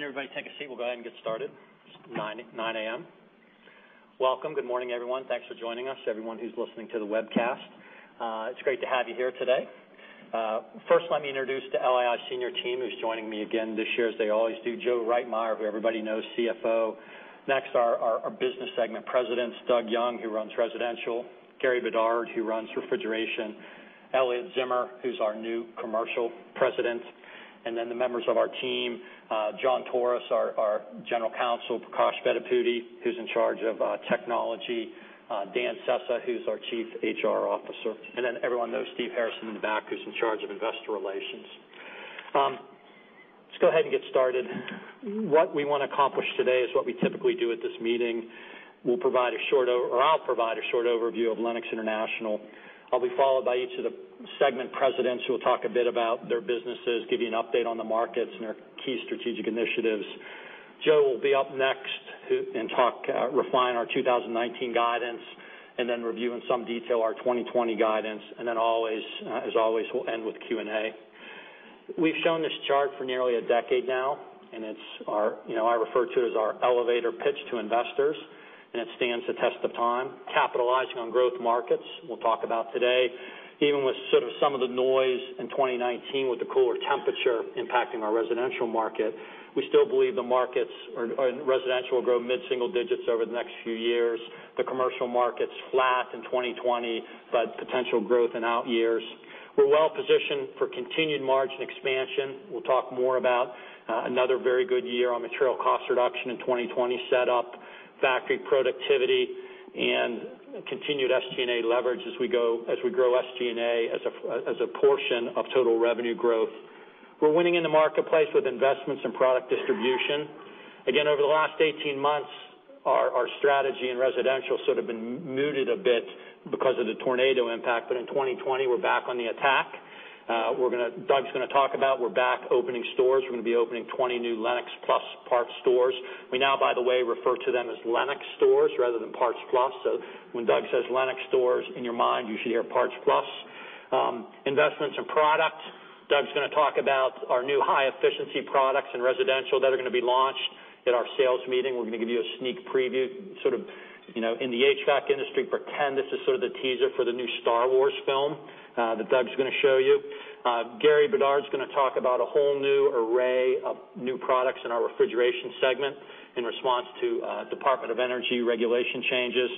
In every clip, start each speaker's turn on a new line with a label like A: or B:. A: Can everybody take a seat? We'll go ahead and get started. It's 9:00 A.M. Welcome. Good morning, everyone. Thanks for joining us, everyone who's listening to the webcast. It's great to have you here today. First, let me introduce the LII senior team who's joining me again this year, as they always do, Joe Reitmeier, who everybody knows, CFO. Next, our business segment presidents, Doug Young, who runs Residential, Gary Bedard, who runs Refrigeration, Elliot Zimmer, who's our new Commercial President, and then the members of our team, John Torres, our General Counsel, Prakash Bedapudi, who's in charge of technology, Dan Sessa, who's our Chief HR Officer, and then everyone knows Steve Harrison in the back, who's in charge of investor relations. Let's go ahead and get started. What we want to accomplish today is what we typically do at this meeting. I'll provide a short overview of Lennox International. I'll be followed by each of the segment presidents who will talk a bit about their businesses, give you an update on the markets, and our key strategic initiatives. Joe will be up next and refine our 2019 guidance, and then review in some detail our 2020 guidance. As always, we'll end with Q&A. We've shown this chart for nearly a decade now, and I refer to it as our elevator pitch to investors, and it stands the test of time, capitalizing on growth markets. We'll talk about today. Even with sort of some of the noise in 2019 with the cooler temperature impacting our residential market, we still believe the markets in Residential will grow mid-single digits over the next few years. The commercial market's flat in 2020, but potential growth in out years. We're well positioned for continued margin expansion. We'll talk more about another very good year on material cost reduction in 2020 set up, factory productivity, and continued SG&A leverage as we grow SG&A as a portion of total revenue growth. We're winning in the marketplace with investments in product distribution. Over the last 18 months, our strategy in Residential sort of been muted a bit because of the tornado impact. In 2020, we're back on the attack. Doug's going to talk about we're back opening stores. We're going to be opening 20 new Lennox Plus Parts stores. We now, by the way, refer to them as Lennox Stores rather than PartsPlus. When Doug says Lennox Stores, in your mind, you should hear PartsPlus. Investments in product, Doug's going to talk about our new high-efficiency products in Residential that are going to be launched at our sales meeting. We're going to give you a sneak preview sort of in the HVAC industry. Pretend this is sort of the teaser for the new Star Wars film that Doug's going to show you. Gary Bedard's going to talk about a whole new array of new products in our Refrigeration segment in response to Department of Energy regulation changes.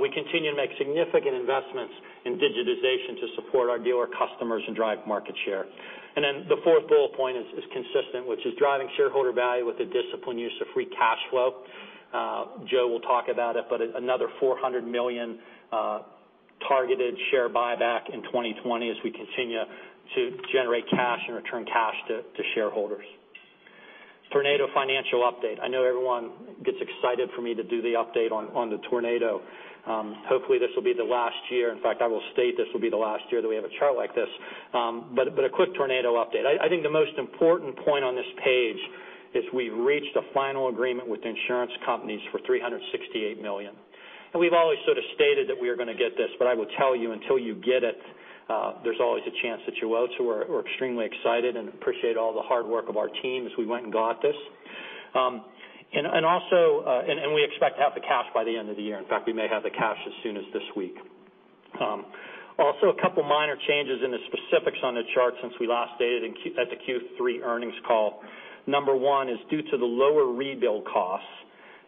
A: We continue to make significant investments in digitization to support our dealer customers and drive market share. The fourth bullet point is consistent, which is driving shareholder value with a disciplined use of free cash flow. Joe will talk about it, another $400 million targeted share buyback in 2020 as we continue to generate cash and return cash to shareholders. Tornado financial update. I know everyone gets excited for me to do the update on the tornado. Hopefully, this will be the last year. In fact, I will state this will be the last year that we have a chart like this. A quick tornado update. I think the most important point on this page is we've reached a final agreement with insurance companies for $368 million. We've always sort of stated that we are going to get this, but I will tell you, until you get it, there's always a chance that you won't. We're extremely excited and appreciate all the hard work of our team as we went and got this. We expect to have the cash by the end of the year. In fact, we may have the cash as soon as this week. A couple minor changes in the specifics on the chart since we last stated at the Q3 earnings call. Number one is due to the lower rebuild costs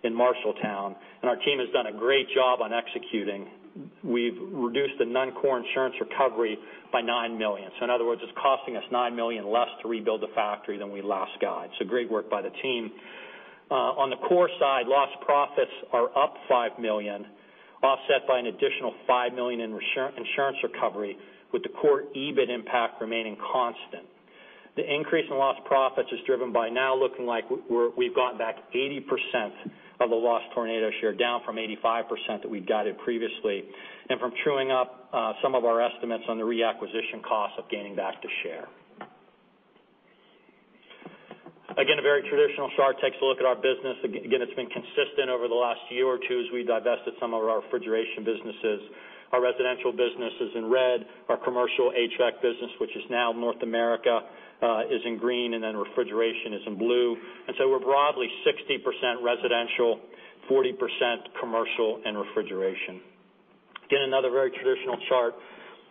A: in Marshalltown, and our team has done a great job on executing. We've reduced the non-core insurance recovery by $9 million. In other words, it's costing us $9 million less to rebuild the factory than we last guided. Great work by the team. On the core side, lost profits are up $5 million, offset by an additional $5 million in insurance recovery, with the core EBIT impact remaining constant. The increase in lost profits is driven by now looking like we've gotten back 80% of the lost tornado share, down from 85% that we'd guided previously, and from truing up some of our estimates on the reacquisition cost of gaining back the share. A very traditional chart. It takes a look at our business. It's been consistent over the last year or two as we divested some of our refrigeration businesses. Our Residential business is in red, our commercial HVAC business, which is now North America, is in green, Refrigeration is in blue. We're broadly 60% Residential, 40% Commercial and Refrigeration. Another very traditional chart.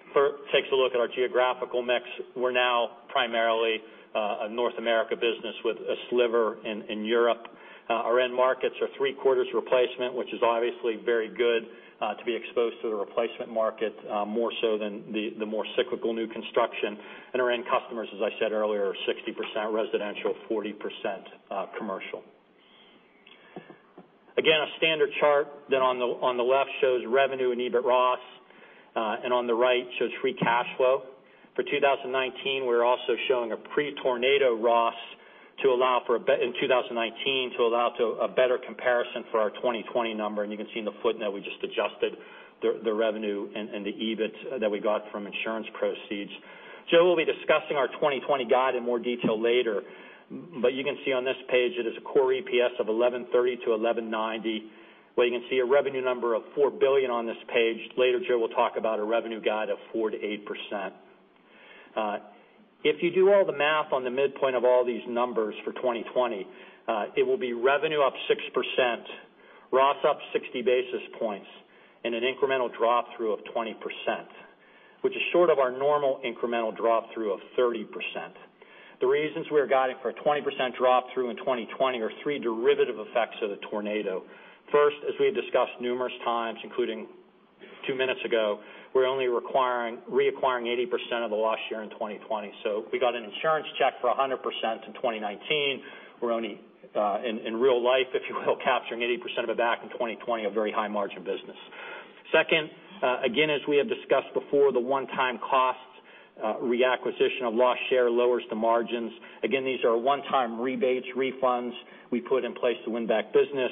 A: It takes a look at our geographical mix. We're now primarily a North America business with a sliver in Europe. Our end markets are three-quarters replacement, which is obviously very good to be exposed to the replacement market, more so than the more cyclical new construction. Our end customers, as I said earlier, are 60% residential, 40% commercial. A standard chart that on the left shows revenue and EBIT ROS, on the right shows free cash flow. For 2019, we're also showing a pre-tornado ROS in 2019 to allow to a better comparison for our 2020 number, and you can see in the footnote, we just adjusted the revenue and the EBIT that we got from insurance proceeds. Joe will be discussing our 2020 guide in more detail later, but you can see on this page it is a core EPS of $11.30-$11.90. You can see a revenue number of $4 billion on this page. Later, Joe will talk about a revenue guide of 4%-8%. If you do all the math on the midpoint of all these numbers for 2020, it will be revenue up 6%, ROS up 60 basis points, and an incremental drop-through of 20%, which is short of our normal incremental drop-through of 30%. The reasons we are guiding for a 20% drop-through in 2020 are three derivative effects of the tornado. First, as we had discussed numerous times, including two minutes ago, we're only reacquiring 80% of the lost share in 2020. We got an insurance check for 100% in 2019. We're only, in real life, if you will, capturing 80% of it back in 2020, a very high-margin business. Second, again, as we have discussed before, the one-time cost reacquisition of lost share lowers the margins. Again, these are one-time rebates, refunds we put in place to win back business.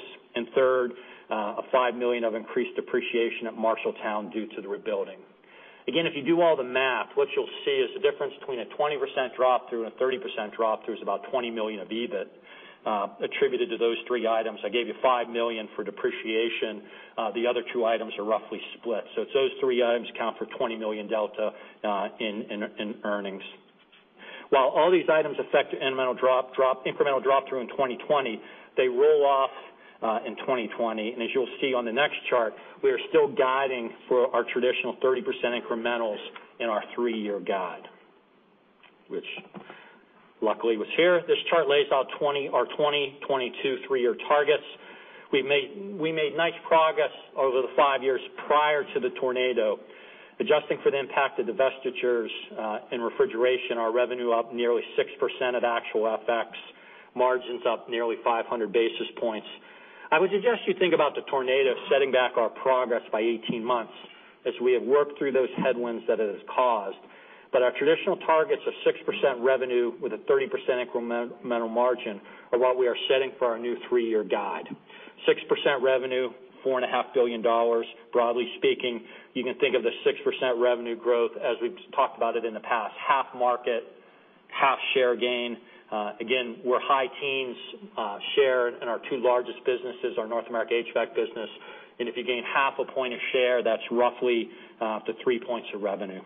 A: Third, a $5 million of increased depreciation at Marshalltown due to the rebuilding. Again, if you do all the math, what you'll see is the difference between a 20% drop-through and a 30% drop-through is about $20 million of EBIT attributed to those three items. I gave you $5 million for depreciation. The other two items are roughly split. It's those three items account for $20 million delta in earnings. While all these items affect incremental drop-through in 2020, they roll off in 2020. As you'll see on the next chart, we are still guiding for our traditional 30% incrementals in our three-year guide, which luckily was here. This chart lays out our 2022 three-year targets. We made nice progress over the five years prior to the tornado. Adjusting for the impact of divestitures in Refrigeration, our revenue up nearly 6% at actual FX, margins up nearly 500 basis points. I would suggest you think about the tornado setting back our progress by 18 months as we have worked through those headwinds that it has caused. Our traditional targets of 6% revenue with a 30% incremental margin are what we are setting for our new three-year guide. 6% revenue, $4.5 billion. Broadly speaking, you can think of the 6% revenue growth as we've talked about it in the past, half market, half share gain. Again, we're high teens share in our two largest businesses, our North America HVAC business. If you gain 0.5 points of share, that's roughly up to 3 points of revenue.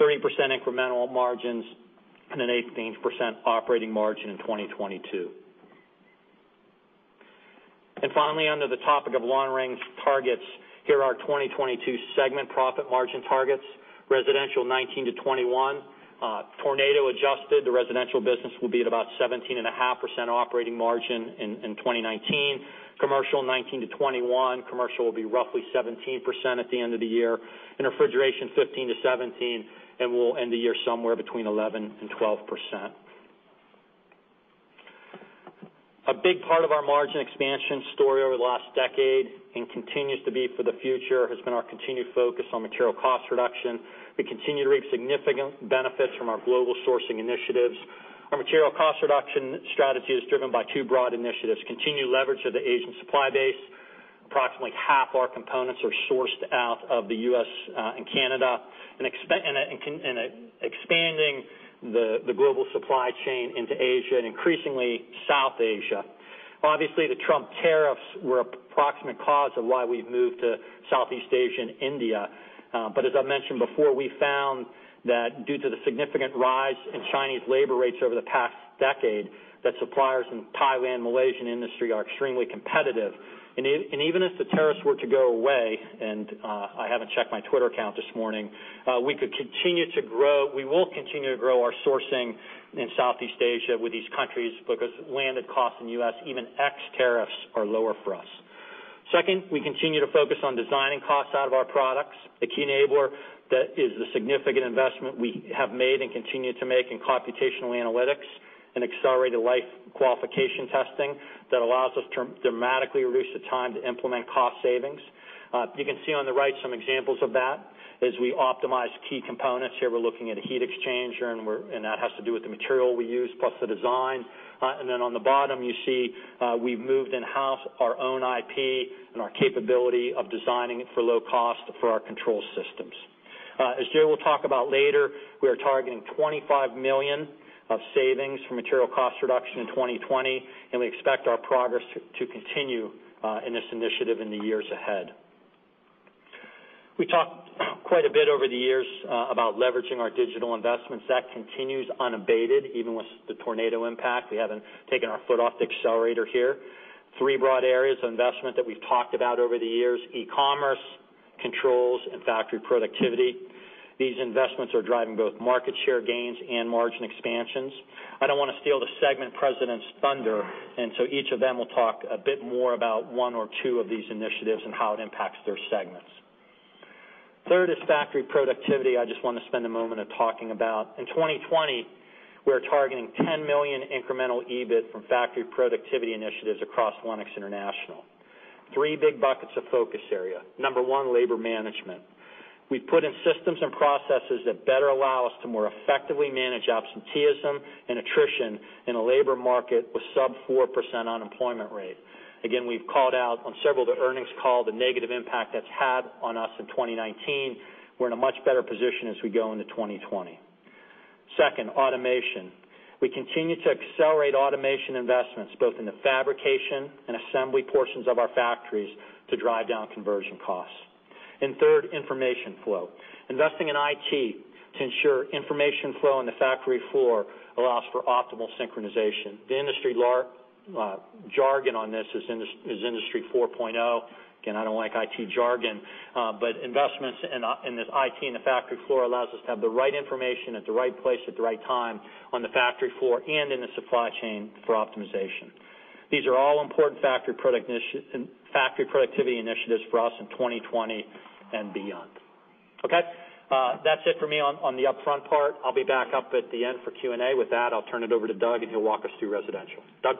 A: 30% incremental margins and an 18% operating margin in 2022. Finally, under the topic of long range targets, here are our 2022 segment profit margin targets. Residential 19%-21%. Tornado adjusted, the Residential business will be at about 17.5% operating margin in 2019. Commercial 19%-21%. Commercial will be roughly 17% at the end of the year. Refrigeration 15%-17%, and we'll end the year somewhere between 11%-12%. A big part of our margin expansion story over the last decade, and continues to be for the future, has been our continued focus on material cost reduction. We continue to reap significant benefits from our global sourcing initiatives. Our material cost reduction strategy is driven by two broad initiatives, continued leverage of the Asian supply base. Approximately half our components are sourced out of the U.S. and Canada, and expanding the global supply chain into Asia and increasingly South Asia. Obviously, the Trump tariffs were a proximate cause of why we've moved to Southeast Asia and India. As I mentioned before, we found that due to the significant rise in Chinese labor rates over the past decade, that suppliers in Thailand, Malaysian industry are extremely competitive. Even if the tariffs were to go away, and I haven't checked my Twitter account this morning, we will continue to grow our sourcing in Southeast Asia with these countries because landed costs in U.S., even ex-tariffs, are lower for us. Second, we continue to focus on designing costs out of our products. The key enabler that is the significant investment we have made and continue to make in computational analytics and accelerated life qualification testing that allows us to dramatically reduce the time to implement cost savings. You can see on the right some examples of that as we optimize key components. Here we're looking at a heat exchanger, and that has to do with the material we use plus the design. On the bottom, you see we've moved in-house our own IP and our capability of designing it for low cost for our control systems. As Joe will talk about later, we are targeting $25 million of savings from material cost reduction in 2020, and we expect our progress to continue in this initiative in the years ahead. We talked quite a bit over the years about leveraging our digital investments. That continues unabated, even with the tornado impact. We haven't taken our foot off the accelerator here. Three broad areas of investment that we've talked about over the years, e-commerce, controls, and factory productivity. These investments are driving both market share gains and margin expansions. I don't want to steal the segment presidents' thunder. Each of them will talk a bit more about one or two of these initiatives and how it impacts their segments. Third is factory productivity. I just want to spend a moment of talking about in 2020, we are targeting $10 million incremental EBIT from factory productivity initiatives across Lennox International. Three big buckets of focus area. Number 1, labor management. We put in systems and processes that better allow us to more effectively manage absenteeism and attrition in a labor market with sub-4% unemployment rate. Again, we've called out on several of the earnings call the negative impact that's had on us in 2019. We're in a much better position as we go into 2020. Second, automation. We continue to accelerate automation investments both in the fabrication and assembly portions of our factories to drive down conversion costs. Third, information flow. Investing in IT to ensure information flow on the factory floor allows for optimal synchronization. The industry jargon on this is Industry 4.0. Again, I don't like IT jargon, but investments in this IT in the factory floor allows us to have the right information at the right place at the right time on the factory floor and in the supply chain for optimization. These are all important factory productivity initiatives for us in 2020 and beyond. Okay. That's it for me on the upfront part. I'll be back up at the end for Q&A. With that, I'll turn it over to Doug, and he'll walk us through Residential. Doug?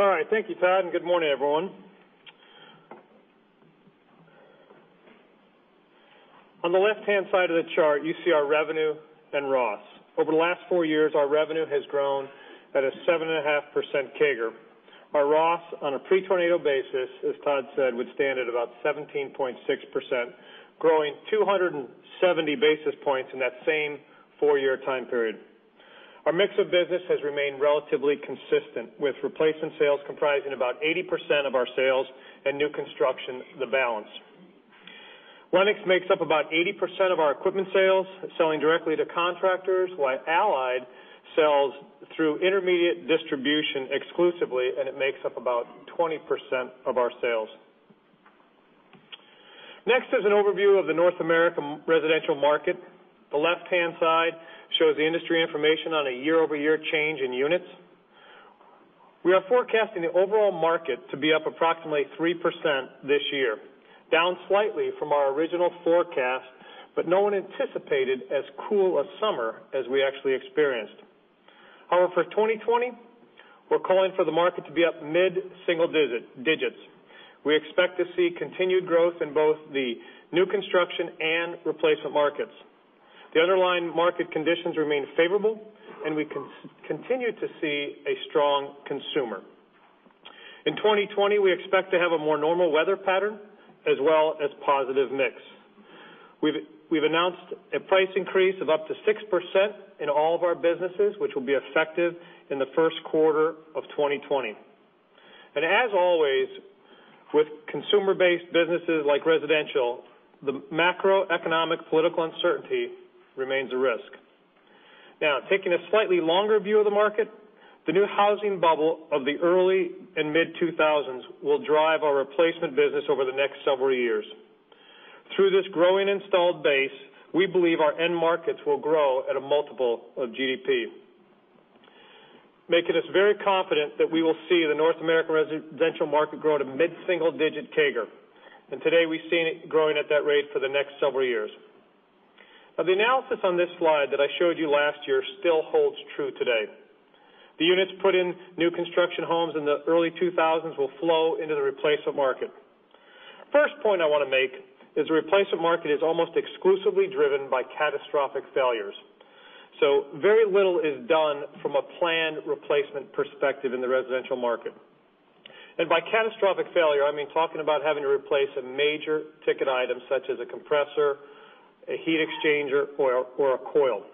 B: All right. Thank you, Todd, and good morning, everyone. On the left-hand side of the chart, you see our revenue and ROS. Over the last four years, our revenue has grown at a 7.5% CAGR. Our ROS, on a pre-tornado basis, as Todd said, would stand at about 17.6%, growing 270 basis points in that same four-year time period. Our mix of business has remained relatively consistent, with replacement sales comprising about 80% of our sales and new construction, the balance. Lennox makes up about 80% of our equipment sales, selling directly to contractors, while Allied sells through intermediate distribution exclusively, and it makes up about 20% of our sales. Next is an overview of the North American residential market. The left-hand side shows the industry information on a year-over-year change in units. We are forecasting the overall market to be up approximately 3% this year, down slightly from our original forecast, but no one anticipated as cool a summer as we actually experienced. However, for 2020, we're calling for the market to be up mid-single digits. We expect to see continued growth in both the new construction and replacement markets. The underlying market conditions remain favorable, and we continue to see a strong consumer. In 2020, we expect to have a more normal weather pattern as well as positive mix. We've announced a price increase of up to 6% in all of our businesses, which will be effective in the first quarter of 2020. As always, with consumer-based businesses like Residential, the macroeconomic political uncertainty remains a risk. Taking a slightly longer view of the market, the new housing bubble of the early and mid-2000s will drive our replacement business over the next several years. Through this growing installed base, we believe our end markets will grow at a multiple of GDP, making us very confident that we will see the North American residential market grow at a mid-single-digit CAGR. Today, we've seen it growing at that rate for the next several years. The analysis on this slide that I showed you last year still holds true today. The units put in new construction homes in the early 2000s will flow into the replacement market. First point I want to make is the replacement market is almost exclusively driven by catastrophic failures. Very little is done from a planned replacement perspective in the residential market. By catastrophic failure, I mean talking about having to replace a major ticket item such as a compressor, a heat exchanger or a coil.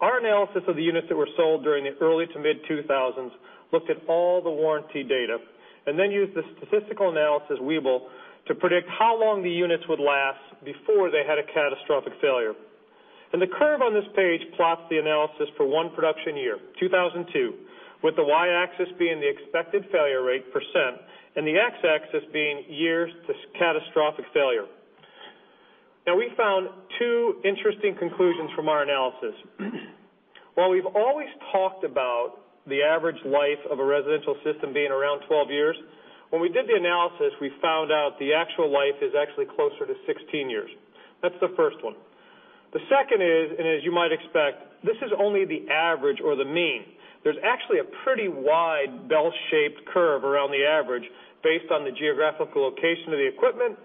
B: Our analysis of the units that were sold during the early to mid-2000s looked at all the warranty data, then used the statistical analysis, Weibull, to predict how long the units would last before they had a catastrophic failure. The curve on this page plots the analysis for one production year, 2002, with the Y-axis being the expected failure rate percent and the X-axis being years to catastrophic failure. We found two interesting conclusions from our analysis. While we've always talked about the average life of a residential system being around 12 years, when we did the analysis, we found out the actual life is actually closer to 16 years. That's the first one. The second is, and as you might expect, this is only the average or the mean. There's actually a pretty wide bell-shaped curve around the average based on the geographical location of the equipment,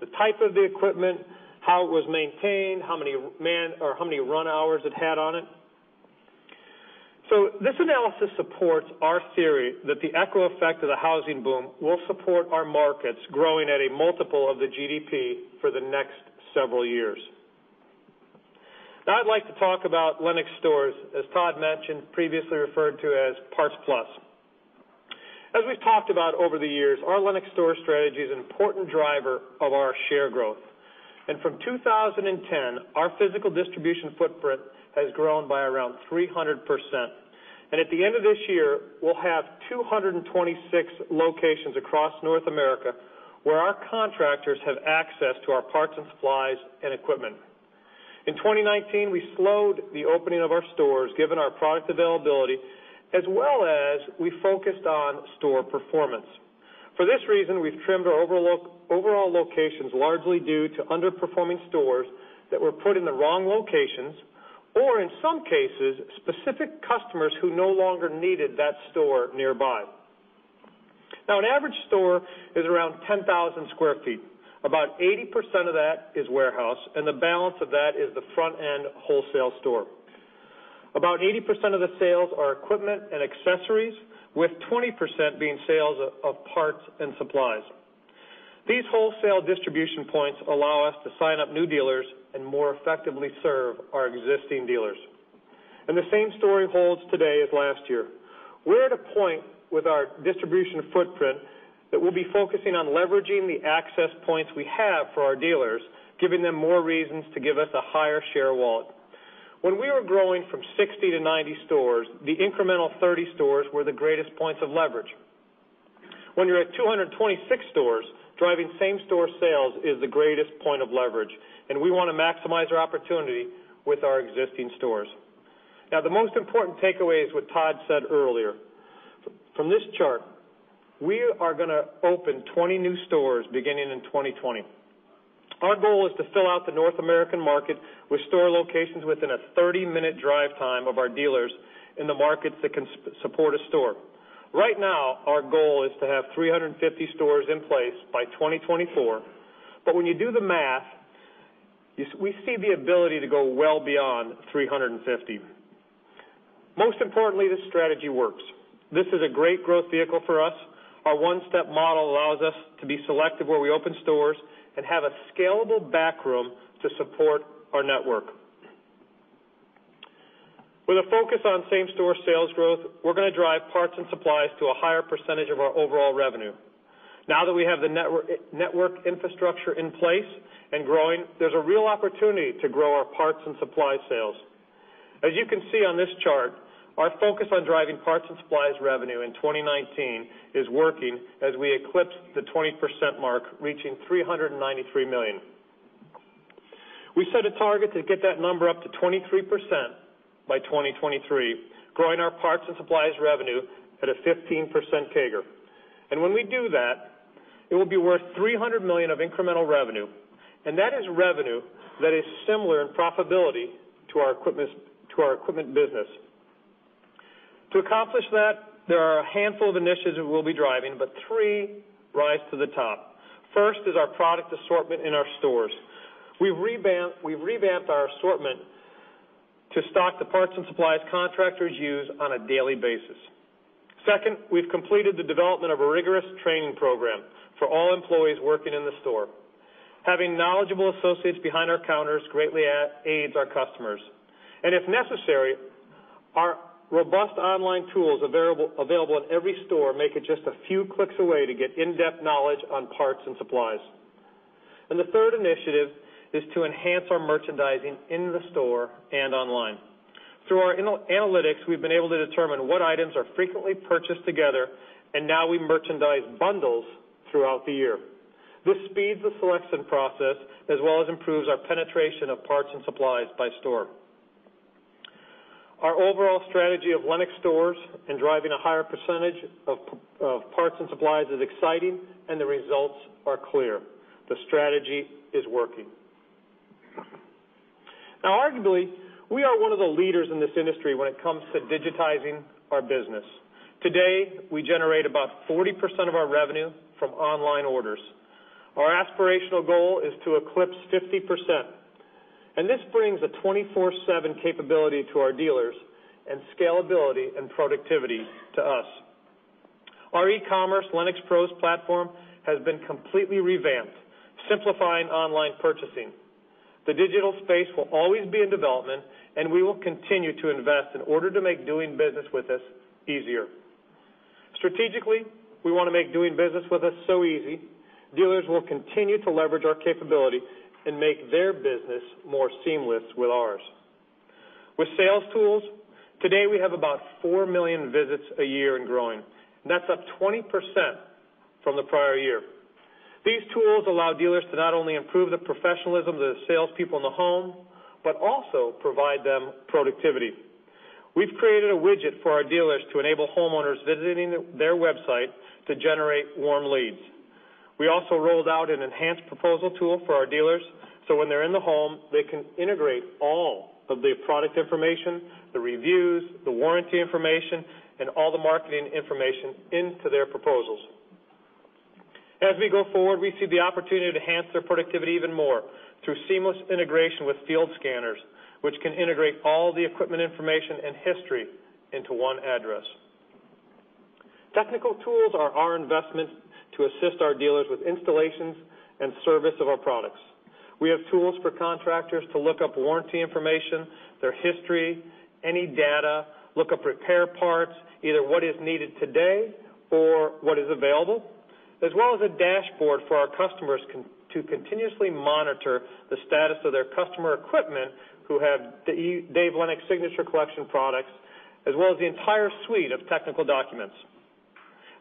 B: the type of the equipment, how it was maintained, how many man or how many run hours it had on it. This analysis supports our theory that the echo effect of the housing boom will support our markets growing at a multiple of the GDP for the next several years. I'd like to talk about Lennox Stores, as Todd mentioned, previously referred to as PartsPlus. As we've talked about over the years, our Lennox Store strategy is an important driver of our share growth. From 2010, our physical distribution footprint has grown by around 300%. At the end of this year, we'll have 226 locations across North America where our contractors have access to our parts and supplies and equipment. In 2019, we slowed the opening of our stores, given our product availability, as well as we focused on store performance. For this reason, we've trimmed our overall locations largely due to underperforming stores that were put in the wrong locations, or in some cases, specific customers who no longer needed that store nearby. An average store is around 10,000 sq ft. About 80% of that is warehouse, and the balance of that is the front-end wholesale store. About 80% of the sales are equipment and accessories, with 20% being sales of parts and supplies. These wholesale distribution points allow us to sign up new dealers and more effectively serve our existing dealers. The same story holds today as last year. We're at a point with our distribution footprint that we'll be focusing on leveraging the access points we have for our dealers, giving them more reasons to give us a higher share wallet. When we were growing from 60 to 90 stores, the incremental 30 stores were the greatest points of leverage. When you're at 226 stores, driving same-store sales is the greatest point of leverage, and we want to maximize our opportunity with our existing stores. Now, the most important takeaway is what Todd said earlier. From this chart, we are going to open 20 new stores beginning in 2020. Our goal is to fill out the North American market with store locations within a 30-minute drive time of our dealers in the markets that can support a store. Right now, our goal is to have 350 stores in place by 2024. When you do the math, we see the ability to go well beyond 350. Most importantly, this strategy works. This is a great growth vehicle for us. Our one-step model allows us to be selective where we open stores and have a scalable backroom to support our network. With a focus on same-store sales growth, we're going to drive parts and supplies to a higher percentage of our overall revenue. Now that we have the network infrastructure in place and growing, there's a real opportunity to grow our parts and supply sales. As you can see on this chart, our focus on driving parts and supplies revenue in 2019 is working as we eclipsed the 20% mark, reaching $393 million. We set a target to get that number up to 23% by 2023, growing our parts and supplies revenue at a 15% CAGR. When we do that, it will be worth $300 million of incremental revenue. That is revenue that is similar in profitability to our equipment business. To accomplish that, there are a handful of initiatives that we'll be driving, but three rise to the top. First is our product assortment in our stores. We've revamped our assortment to stock the parts and supplies contractors use on a daily basis. Second, we've completed the development of a rigorous training program for all employees working in the store. Having knowledgeable associates behind our counters greatly aids our customers. If necessary, our robust online tools available at every store make it just a few clicks away to get in-depth knowledge on parts and supplies. The third initiative is to enhance our merchandising in the store and online. Through our analytics, we've been able to determine what items are frequently purchased together, now we merchandise bundles throughout the year. This speeds the selection process as well as improves our penetration of parts and supplies by store. Our overall strategy of Lennox Stores and driving a higher percentage of parts and supplies is exciting and the results are clear. The strategy is working. Arguably, we are one of the leaders in this industry when it comes to digitizing our business. Today, we generate about 40% of our revenue from online orders. Our aspirational goal is to eclipse 50%, this brings a 24/7 capability to our dealers and scalability and productivity to us. Our e-commerce LennoxPROs platform has been completely revamped, simplifying online purchasing. The digital space will always be in development, and we will continue to invest in order to make doing business with us easier. Strategically, we want to make doing business with us so easy, dealers will continue to leverage our capability and make their business more seamless with ours. With sales tools, today we have about 4 million visits a year and growing. That's up 20% from the prior year. These tools allow dealers to not only improve the professionalism of the salespeople in the home, but also provide them productivity. We've created a widget for our dealers to enable homeowners visiting their website to generate warm leads. We also rolled out an enhanced proposal tool for our dealers, so when they're in the home, they can integrate all of the product information, the reviews, the warranty information, and all the marketing information into their proposals. As we go forward, we see the opportunity to enhance their productivity even more through seamless integration with field scanners, which can integrate all the equipment information and history into one address. Technical tools are our investment to assist our dealers with installations and service of our products. We have tools for contractors to look up warranty information, their history, any data, look up repair parts, either what is needed today or what is available, as well as a dashboard for our customers to continuously monitor the status of their customer equipment who have Dave Lennox Signature Collection products, as well as the entire suite of technical documents.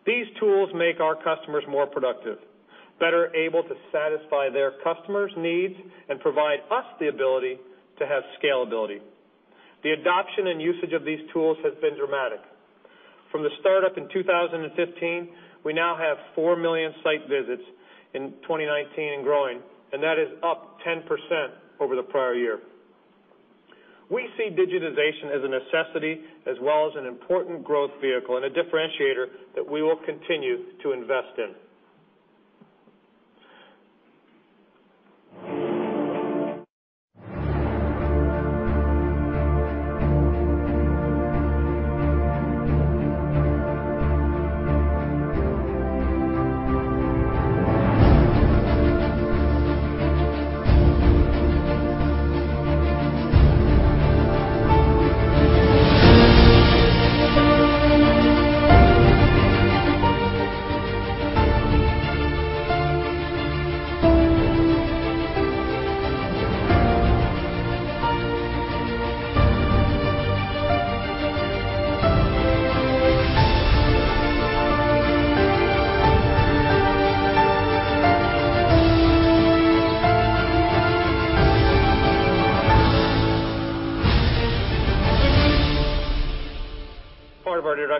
B: These tools make our customers more productive, better able to satisfy their customers' needs, and provide us the ability to have scalability. The adoption and usage of these tools has been dramatic. From the startup in 2015, we now have 4 million site visits in 2019 and growing, and that is up 10% over the prior year. We see digitization as a necessity as well as an important growth vehicle and a differentiator that we will continue to invest in.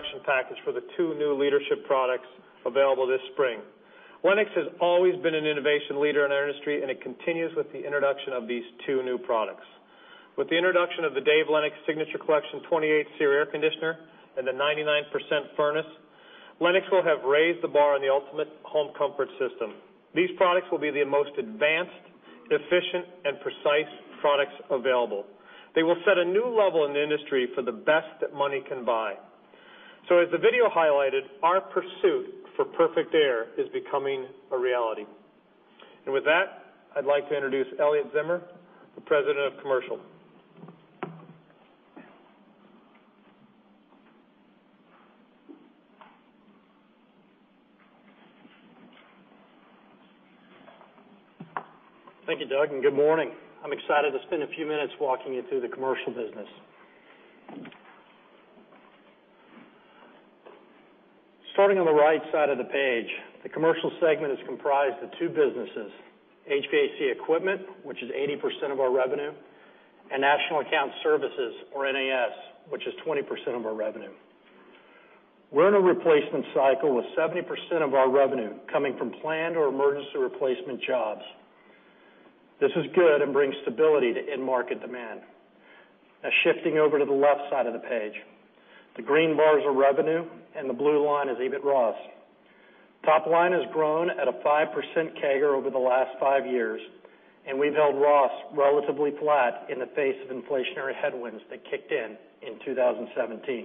B: Part of our introduction package for the two new leadership products available this spring. Lennox has always been an innovation leader in our industry, and it continues with the introduction of these two new products. With the introduction of the Dave Lennox Signature Collection 28 SEER air conditioner and the 99% furnace, Lennox will have raised the bar on the ultimate home comfort system. These products will be the most advanced, efficient, and precise products available. They will set a new level in the industry for the best that money can buy. As the video highlighted, our pursuit for perfect air is becoming a reality. With that, I'd like to introduce Elliot Zimmer, the President of Commercial.
C: Thank you, Doug. Good morning. I'm excited to spend a few minutes walking you through the Commercial business. Starting on the right side of the page, the Commercial segment is comprised of two businesses, HVAC Equipment, which is 80% of our revenue, and National Account Services, or NAS, which is 20% of our revenue. We're in a replacement cycle with 70% of our revenue coming from planned or emergency replacement jobs. This is good and brings stability to end market demand. Now shifting over to the left side of the page. The green bars are revenue and the blue line is EBIT ROS. Top line has grown at a 5% CAGR over the last five years, and we've held ROS relatively flat in the face of inflationary headwinds that kicked in 2017.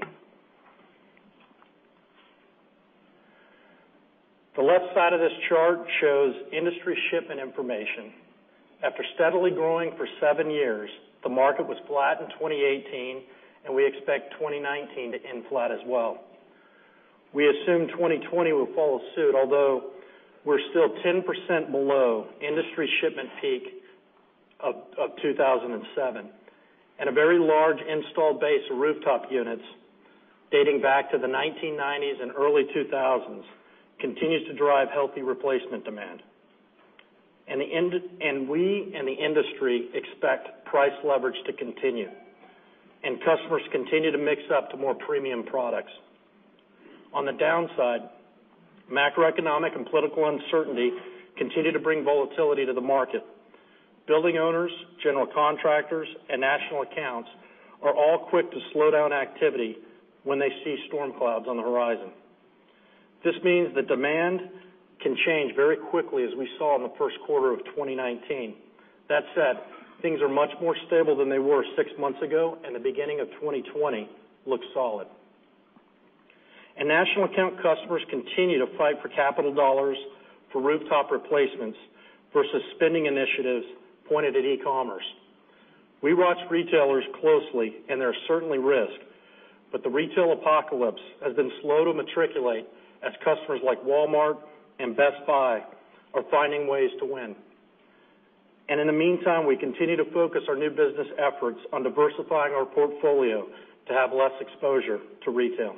C: The left side of this chart shows industry shipment information. After steadily growing for seven years, the market was flat in 2018, and we expect 2019 to end flat as well. We assume 2020 will follow suit, although we're still 10% below industry shipment peak of 2007. A very large installed base of rooftop units dating back to the 1990s and early 2000s continues to drive healthy replacement demand. We in the industry expect price leverage to continue, and customers continue to mix up to more premium products. On the downside, macroeconomic and political uncertainty continue to bring volatility to the market. Building owners, general contractors, and national accounts are all quick to slow down activity when they see storm clouds on the horizon. This means the demand can change very quickly, as we saw in the first quarter of 2019. That said, things are much more stable than they were six months ago, and the beginning of 2020 looks solid. National account customers continue to fight for capital dollars for rooftop replacements versus spending initiatives pointed at e-commerce. We watch retailers closely, and there are certainly risks. The retail apocalypse has been slow to matriculate as customers like Walmart and Best Buy are finding ways to win. In the meantime, we continue to focus our new business efforts on diversifying our portfolio to have less exposure to retail.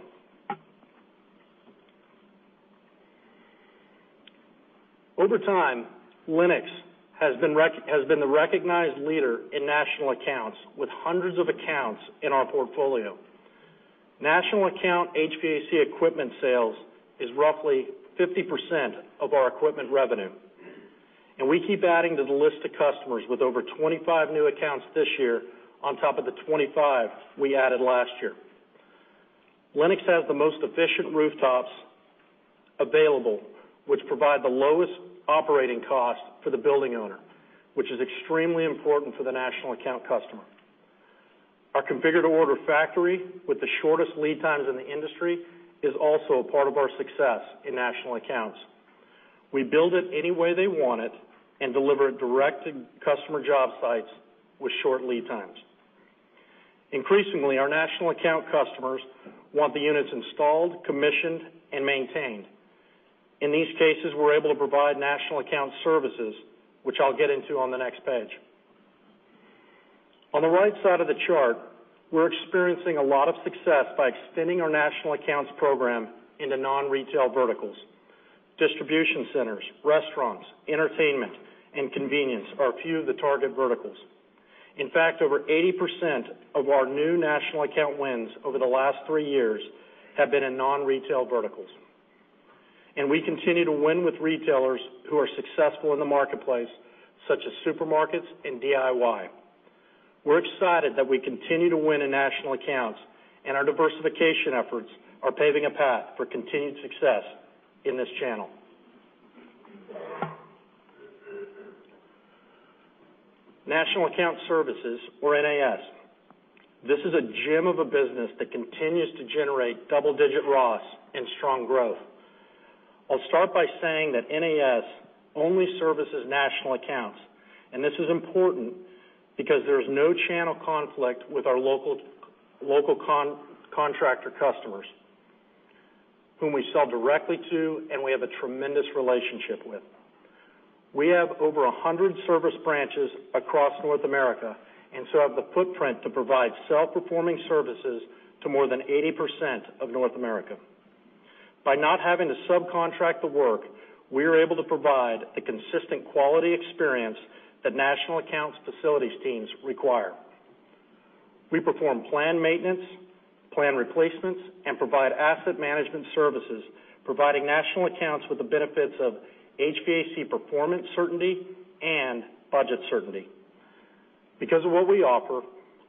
C: Over time, Lennox has been the recognized leader in national accounts with hundreds of accounts in our portfolio. National account HVAC equipment sales is roughly 50% of our equipment revenue, and we keep adding to the list of customers with over 25 new accounts this year on top of the 25 we added last year. Lennox has the most efficient rooftops available, which provide the lowest operating cost for the building owner, which is extremely important for the national account customer. Our configure-to-order factory with the shortest lead times in the industry is also a part of our success in national accounts. We build it any way they want it and deliver it direct to customer job sites with short lead times. Increasingly, our national account customers want the units installed, commissioned, and maintained. In these cases, we're able to provide national account services, which I'll get into on the next page. On the right side of the chart, we're experiencing a lot of success by extending our national accounts program into non-retail verticals. Distribution centers, restaurants, entertainment, and convenience are a few of the target verticals. In fact, over 80% of our new national account wins over the last three years have been in non-retail verticals. We continue to win with retailers who are successful in the marketplace, such as supermarkets and DIY. We're excited that we continue to win in national accounts, and our diversification efforts are paving a path for continued success in this channel. National Account Services, or NAS. This is a gem of a business that continues to generate double-digit ROS and strong growth. I'll start by saying that NAS only services national accounts. This is important because there's no channel conflict with our local contractor customers, whom we sell directly to and we have a tremendous relationship with. We have over 100 service branches across North America. We have the footprint to provide self-performing services to more than 80% of North America. By not having to subcontract the work, we are able to provide a consistent quality experience that national accounts facilities teams require. We perform planned maintenance, planned replacements, and provide asset management services, providing national accounts with the benefits of HVAC performance certainty and budget certainty. Because of what we offer,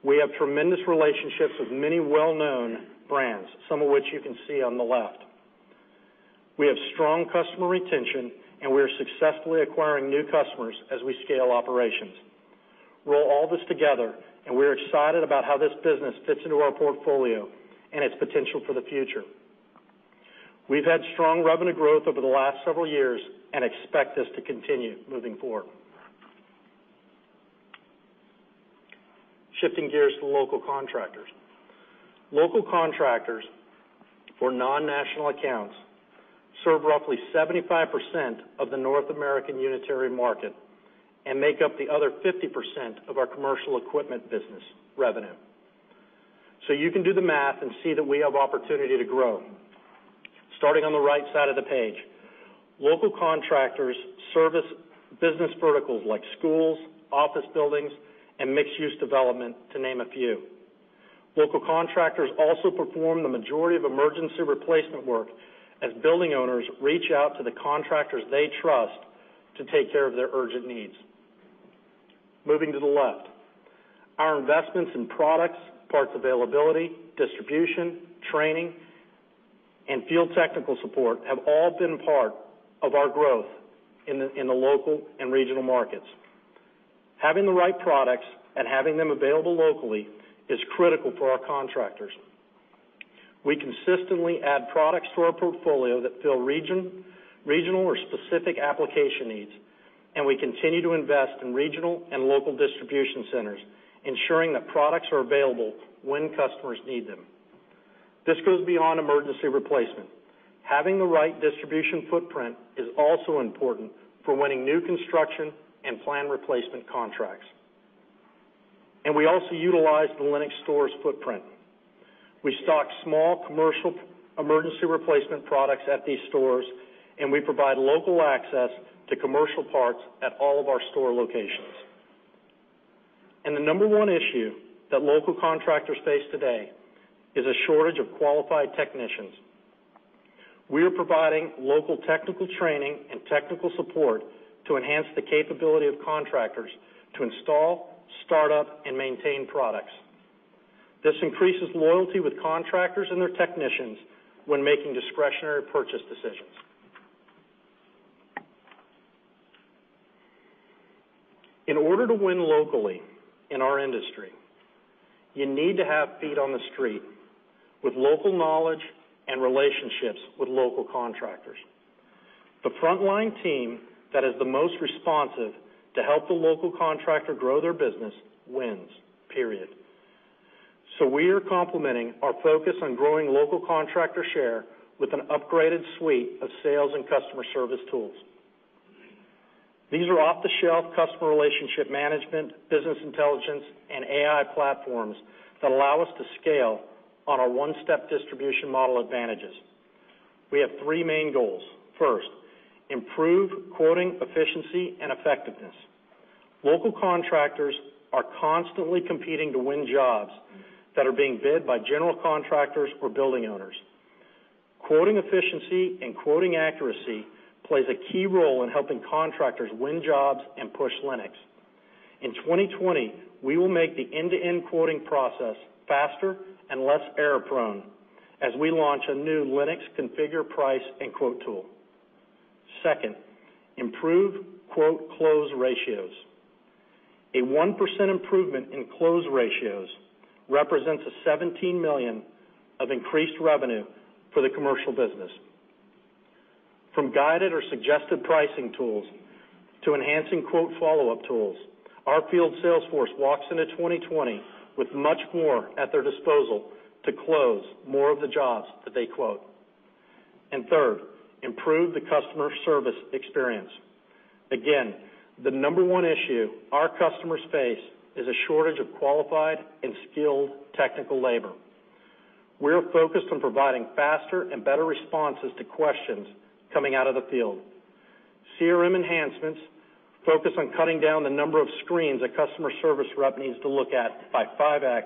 C: we have tremendous relationships with many well-known brands, some of which you can see on the left. We have strong customer retention, and we are successfully acquiring new customers as we scale operations. Roll all this together, and we're excited about how this business fits into our portfolio and its potential for the future. We've had strong revenue growth over the last several years and expect this to continue moving forward. Shifting gears to local contractors. Local contractors for non-national accounts serve roughly 75% of the North American unitary market and make up the other 50% of our commercial equipment business revenue. You can do the math and see that we have opportunity to grow. Starting on the right side of the page. Local contractors service business verticals like schools, office buildings, and mixed-use development, to name a few. Local contractors also perform the majority of emergency replacement work as building owners reach out to the contractors they trust to take care of their urgent needs. Moving to the left. Our investments in products, parts availability, distribution, training, and field technical support have all been part of our growth in the local and regional markets. Having the right products and having them available locally is critical for our contractors. We consistently add products to our portfolio that fill regional or specific application needs, and we continue to invest in regional and local distribution centers, ensuring that products are available when customers need them. This goes beyond emergency replacement. Having the right distribution footprint is also important for winning new construction and planned replacement contracts. We also utilize the Lennox Stores footprint. We stock small commercial emergency replacement products at these stores, and we provide local access to commercial parts at all of our store locations. The number one issue that local contractors face today is a shortage of qualified technicians. We are providing local technical training and technical support to enhance the capability of contractors to install, start up, and maintain products. This increases loyalty with contractors and their technicians when making discretionary purchase decisions. In order to win locally in our industry, you need to have feet on the street with local knowledge and relationships with local contractors. The frontline team that is the most responsive to help the local contractor grow their business wins, period. We are complementing our focus on growing local contractor share with an upgraded suite of sales and customer service tools. These are off-the-shelf customer relationship management, business intelligence, and AI platforms that allow us to scale on our one-step distribution model advantages. We have three main goals. First, improve quoting efficiency and effectiveness. Local contractors are constantly competing to win jobs that are being bid by general contractors or building owners. Quoting efficiency and quoting accuracy plays a key role in helping contractors win jobs and push Lennox. In 2020, we will make the end-to-end quoting process faster and less error-prone as we launch a new Lennox Configure-Price-Quote tool. Second, improve quote-close ratios. A 1% improvement in close ratios represents a $17 million of increased revenue for the commercial business. From guided or suggested pricing tools to enhancing quote follow-up tools, our field sales force walks into 2020 with much more at their disposal to close more of the jobs that they quote. Third, improve the customer service experience. Again, the number one issue our customers face is a shortage of qualified and skilled technical labor. We're focused on providing faster and better responses to questions coming out of the field. CRM enhancements focus on cutting down the number of screens a customer service rep needs to look at by 5x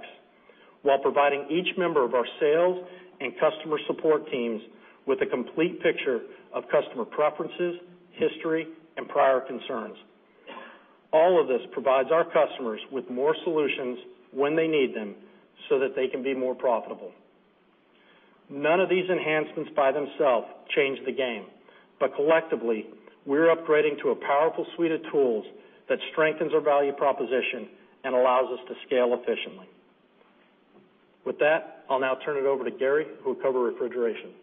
C: while providing each member of our sales and customer support teams with a complete picture of customer preferences, history, and prior concerns. All of this provides our customers with more solutions when they need them so that they can be more profitable. None of these enhancements, by themselves, change the game. Collectively, we're upgrading to a powerful suite of tools that strengthens our value proposition and allows us to scale efficiently. With that, I'll now turn it over to Gary, who will cover Refrigeration.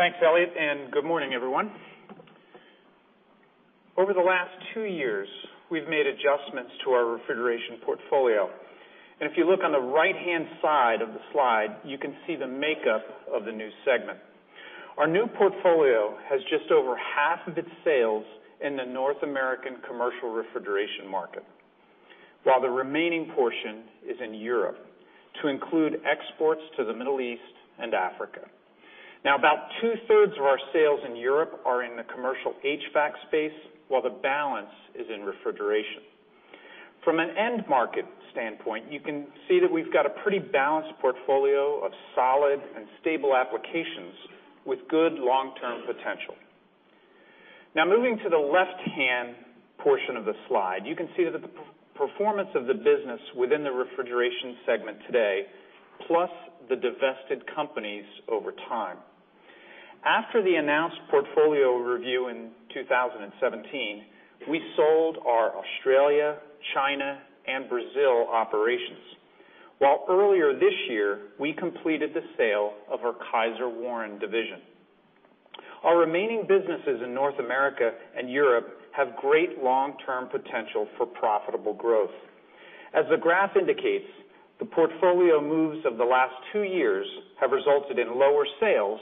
D: Thanks, Elliot, good morning, everyone. Over the last two years, we've made adjustments to our Refrigeration portfolio. If you look on the right-hand side of the slide, you can see the makeup of the new segment. Our new portfolio has just over half of its sales in the North American commercial refrigeration market, while the remaining portion is in Europe, to include exports to the Middle East and Africa. About two-thirds of our sales in Europe are in the commercial HVAC space while the balance is in refrigeration. From an end market standpoint, you can see that we've got a pretty balanced portfolio of solid and stable applications with good long-term potential. Moving to the left-hand portion of the slide, you can see that the performance of the business within the Refrigeration segment today, plus the divested companies over time. After the announced portfolio review in 2017, we sold our Australia, China, and Brazil operations, while earlier this year, we completed the sale of our Kysor Warren division. Our remaining businesses in North America and Europe have great long-term potential for profitable growth. As the graph indicates, the portfolio moves of the last two years have resulted in lower sales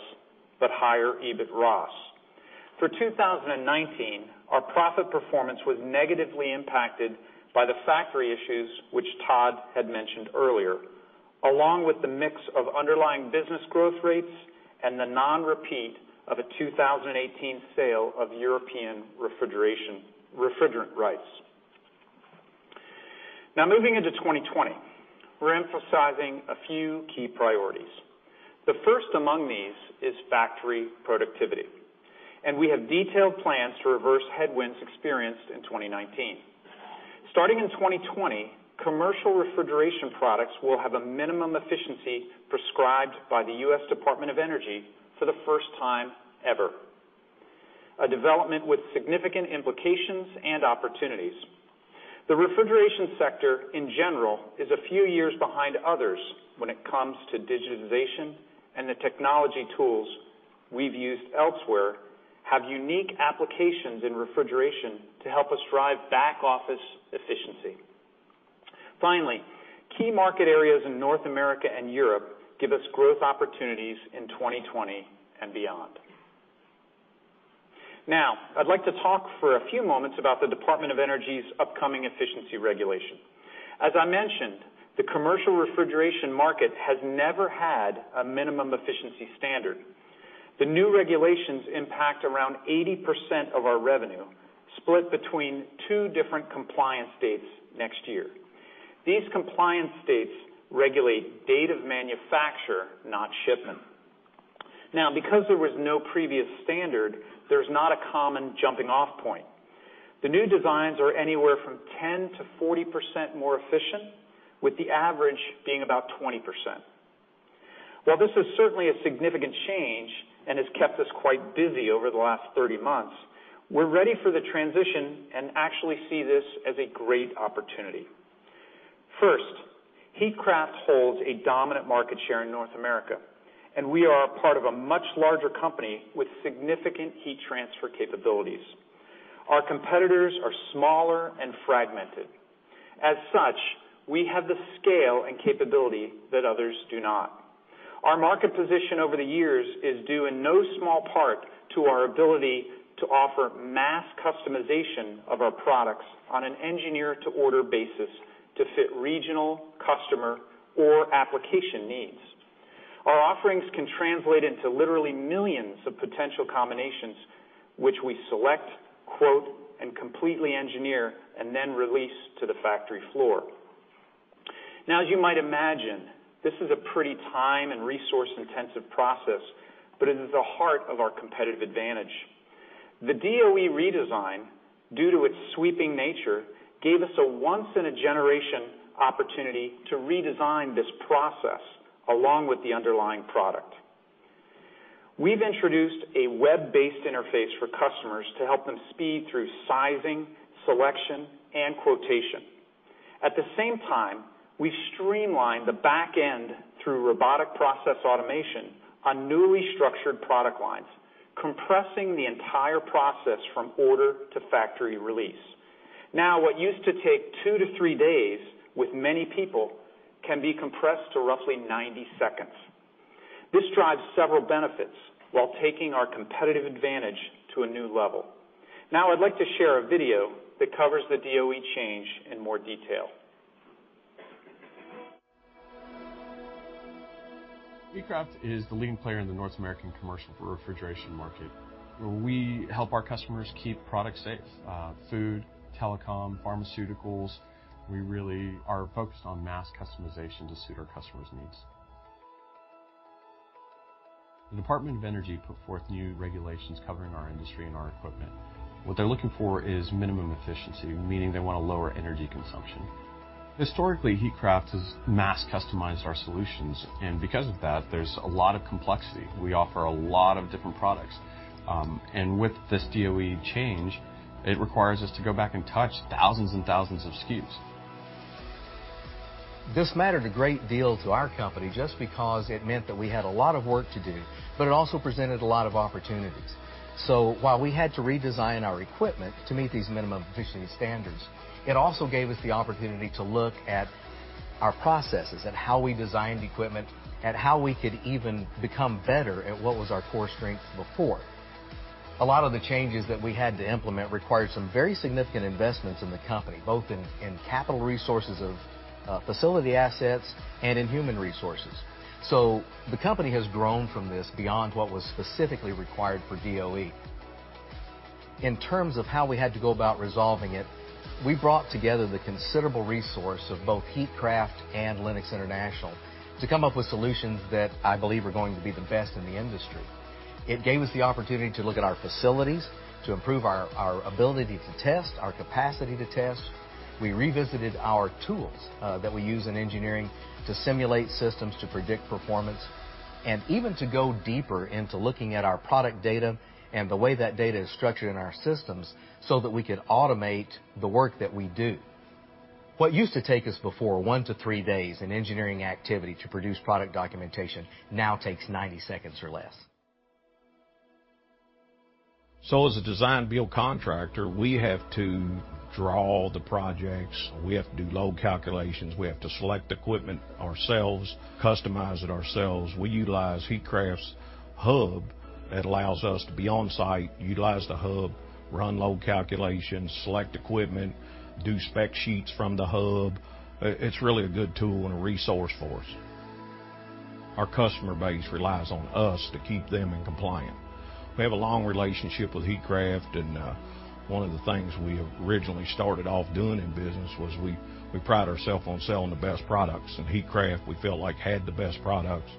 D: but higher EBIT ROS. For 2019, our profit performance was negatively impacted by the factory issues which Todd had mentioned earlier, along with the mix of underlying business growth rates and the non-repeat of a 2018 sale of European refrigerant rights. Moving into 2020, we're emphasizing a few key priorities. The first among these is factory productivity, and we have detailed plans to reverse headwinds experienced in 2019. Starting in 2020, commercial refrigeration products will have a minimum efficiency prescribed by the Department of Energy for the first time ever, a development with significant implications and opportunities. The refrigeration sector, in general, is a few years behind others when it comes to digitization, and the technology tools we've used elsewhere have unique applications in refrigeration to help us drive back-office efficiency. Finally, key market areas in North America and Europe give us growth opportunities in 2020 and beyond. Now, I'd like to talk for a few moments about the Department of Energy's upcoming efficiency regulation. As I mentioned, the commercial refrigeration market has never had a minimum efficiency standard. The new regulations impact around 80% of our revenue, split between two different compliance dates next year. These compliance dates regulate date of manufacture, not shipment. Now, because there was no previous standard, there's not a common jumping-off point. The new designs are anywhere from 10%-40% more efficient, with the average being about 20%. While this is certainly a significant change and has kept us quite busy over the last 30 months, we're ready for the transition and actually see this as a great opportunity. First, Heatcraft holds a dominant market share in North America, and we are a part of a much larger company with significant heat transfer capabilities. Our competitors are smaller and fragmented. As such, we have the scale and capability that others do not. Our market position over the years is due in no small part to our ability to offer mass customization of our products on an engineer-to-order basis to fit regional customer or application needs. Our offerings can translate into literally millions of potential combinations, which we select, quote, and completely engineer, and then release to the factory floor. Now, as you might imagine, this is a pretty time and resource-intensive process, but it is the heart of our competitive advantage. The DOE redesign, due to its sweeping nature, gave us a once-in-a-generation opportunity to redesign this process along with the underlying product. We've introduced a web-based interface for customers to help them speed through sizing, selection, and quotation. At the same time, we streamlined the back end through robotic process automation on newly structured product lines, compressing the entire process from order to factory release. Now, what used to take two to three days with many people can be compressed to roughly 90 seconds. This drives several benefits while taking our competitive advantage to a new level. Now I'd like to share a video that covers the DOE change in more detail.
E: Heatcraft is the leading player in the North American commercial refrigeration market, where we help our customers keep products safe, food, telecom, pharmaceuticals. We really are focused on mass customization to suit our customers' needs. The Department of Energy put forth new regulations covering our industry and our equipment. What they're looking for is minimum efficiency, meaning they want to lower energy consumption. Historically, Heatcraft has mass customized our solutions, and because of that, there's a lot of complexity. We offer a lot of different products. With this DOE change, it requires us to go back and touch thousands and thousands of SKUs.
F: This mattered a great deal to our company just because it meant that we had a lot of work to do, but it also presented a lot of opportunities. While we had to redesign our equipment to meet these minimum efficiency standards, it also gave us the opportunity to look at our processes, at how we designed equipment, at how we could even become better at what was our core strength before. A lot of the changes that we had to implement required some very significant investments in the company, both in capital resources of facility assets and in human resources. The company has grown from this beyond what was specifically required for DOE. In terms of how we had to go about resolving it, we brought together the considerable resource of both Heatcraft and Lennox International to come up with solutions that I believe are going to be the best in the industry. It gave us the opportunity to look at our facilities, to improve our ability to test, our capacity to test. We revisited our tools that we use in engineering to simulate systems, to predict performance, and even to go deeper into looking at our product data and the way that data is structured in our systems so that we could automate the work that we do. What used to take us before one two three days in engineering activity to produce product documentation now takes 90 seconds or less.
G: As a design-build contractor, we have to draw the projects. We have to do load calculations. We have to select equipment ourselves, customize it ourselves. We utilize Heatcraft's THE HUB that allows us to be on-site, utilize THE HUB, run load calculations, select equipment, do spec sheets from THE HUB. It's really a good tool and a resource for us. Our customer base relies on us to keep them in compliant. We have a long relationship with Heatcraft, and one of the things we originally started off doing in business was we pride ourself on selling the best products, and Heatcraft, we felt like, had the best products.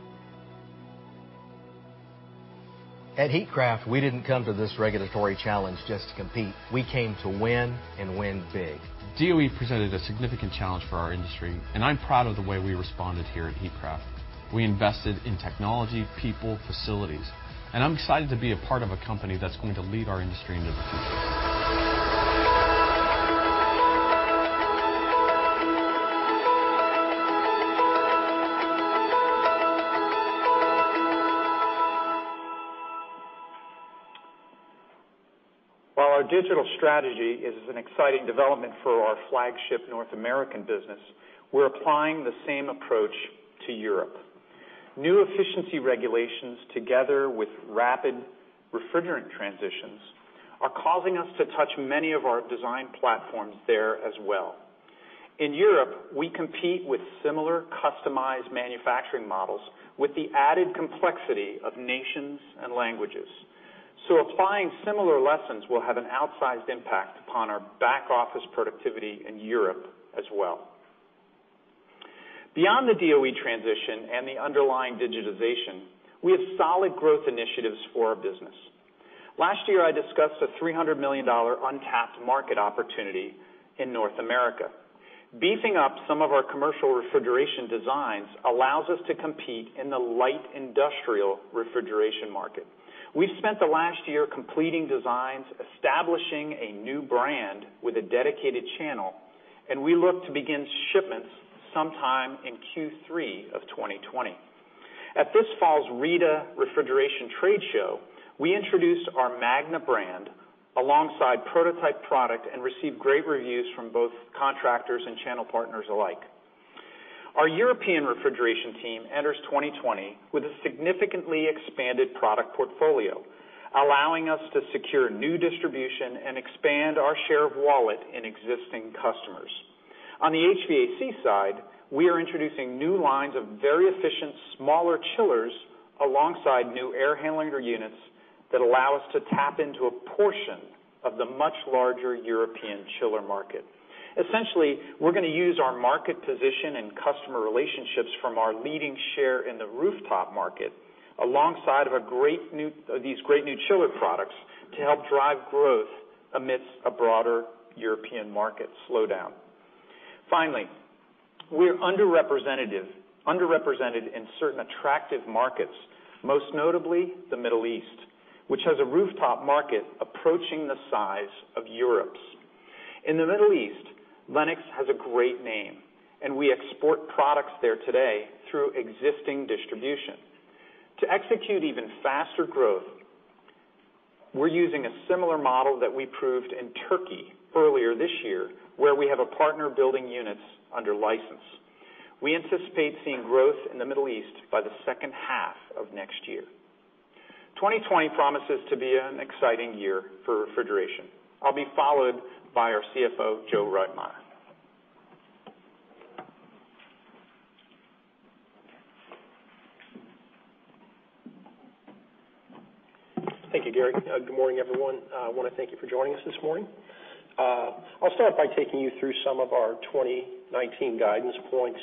F: At Heatcraft, we didn't come to this regulatory challenge just to compete. We came to win and win big.
E: DOE presented a significant challenge for our industry, and I'm proud of the way we responded here at Heatcraft. We invested in technology, people, facilities, and I'm excited to be a part of a company that's going to lead our industry into the future.
D: While our digital strategy is an exciting development for our flagship North American business, we're applying the same approach to Europe. New efficiency regulations together with rapid refrigerant transitions are causing us to touch many of our design platforms there as well. In Europe, we compete with similar customized manufacturing models with the added complexity of nations and languages. Applying similar lessons will have an outsized impact upon our back-office productivity in Europe as well. Beyond the DOE transition and the underlying digitization, we have solid growth initiatives for our business. Last year, I discussed a $300 million untapped market opportunity in North America. Beefing up some of our commercial refrigeration designs allows us to compete in the light industrial refrigeration market. We've spent the last year completing designs, establishing a new brand with a dedicated channel, and we look to begin shipments sometime in Q3 of 2020. At this fall's RETA refrigeration trade show, we introduced our MAGNA brand alongside prototype product and received great reviews from both contractors and channel partners alike. Our European refrigeration team enters 2020 with a significantly expanded product portfolio, allowing us to secure new distribution and expand our share of wallet in existing customers. On the HVAC side, we are introducing new lines of very efficient smaller chillers alongside new air handling units that allow us to tap into a portion of the much larger European chiller market. Essentially, we're going to use our market position and customer relationships from our leading share in the rooftop market alongside these great new chiller products to help drive growth amidst a broader European market slowdown. Finally, we're underrepresented in certain attractive markets, most notably the Middle East, which has a rooftop market approaching the size of Europe's. In the Middle East, Lennox has a great name, and we export products there today through existing distribution. To execute even faster growth, we're using a similar model that we proved in Turkey earlier this year, where we have a partner building units under license. We anticipate seeing growth in the Middle East by the second half of next year. 2020 promises to be an exciting year for Refrigeration. I'll be followed by our CFO, Joe Reitmeier.
H: Thank you, Gary. Good morning, everyone. I want to thank you for joining us this morning. I'll start by taking you through some of our 2019 guidance points.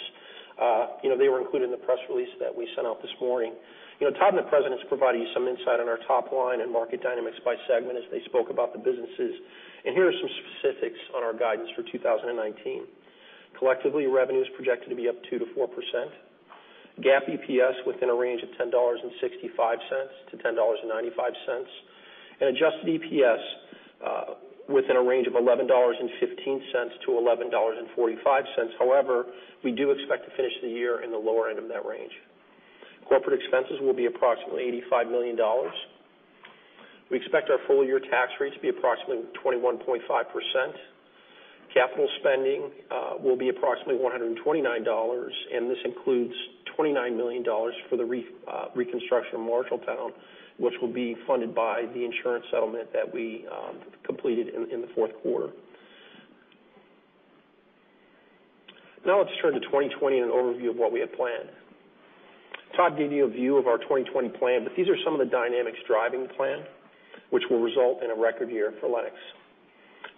H: They were included in the press release that we sent out this morning. Todd and the presidents provided you some insight on our top line and market dynamics by segment as they spoke about the businesses. Here are some specifics on our guidance for 2019. Collectively, revenue is projected to be up 2%-4%. GAAP EPS within a range of $10.65-$10.95. Adjusted EPS within a range of $11.15-$11.45. However, we do expect to finish the year in the lower end of that range. Corporate expenses will be approximately $85 million. We expect our full-year tax rate to be approximately 21.5%. Capital spending will be approximately $129 million, and this includes $29 million for the reconstruction of Marshalltown, which will be funded by the insurance settlement that we completed in the fourth quarter. Let's turn to 2020 and an overview of what we have planned. Todd gave you a view of our 2020 plan, these are some of the dynamics driving the plan, which will result in a record year for Lennox.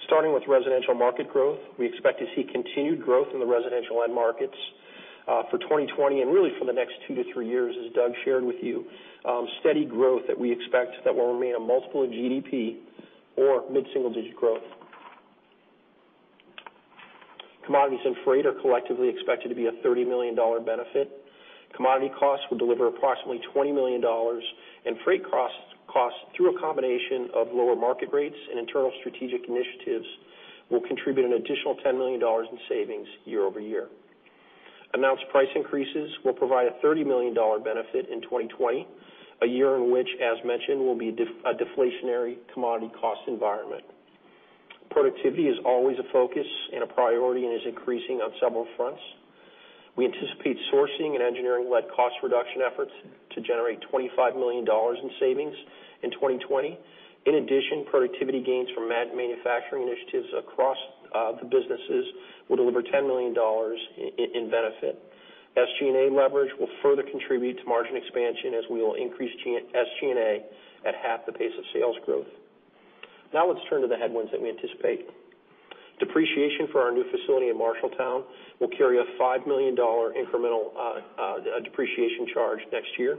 H: Starting with residential market growth, we expect to see continued growth in the residential end markets for 2020 and really for the next two to three years, as Doug shared with you. Steady growth that we expect that will remain a multiple of GDP or mid-single-digit growth. Commodities and freight are collectively expected to be a $30 million benefit. Commodity costs will deliver approximately $20 million, and freight costs, through a combination of lower market rates and internal strategic initiatives, will contribute an additional $10 million in savings year-over-year. Announced price increases will provide a $30 million benefit in 2020, a year in which, as mentioned, will be a deflationary commodity cost environment. Productivity is always a focus and a priority and is increasing on several fronts. We anticipate sourcing and engineering-led cost reduction efforts to generate $25 million in savings in 2020. In addition, productivity gains from manufacturing initiatives across the businesses will deliver $10 million in benefit. SG&A leverage will further contribute to margin expansion as we will increase SG&A at half the pace of sales growth. Now let's turn to the headwinds that we anticipate. Depreciation for our new facility in Marshalltown will carry a $5 million incremental depreciation charge next year.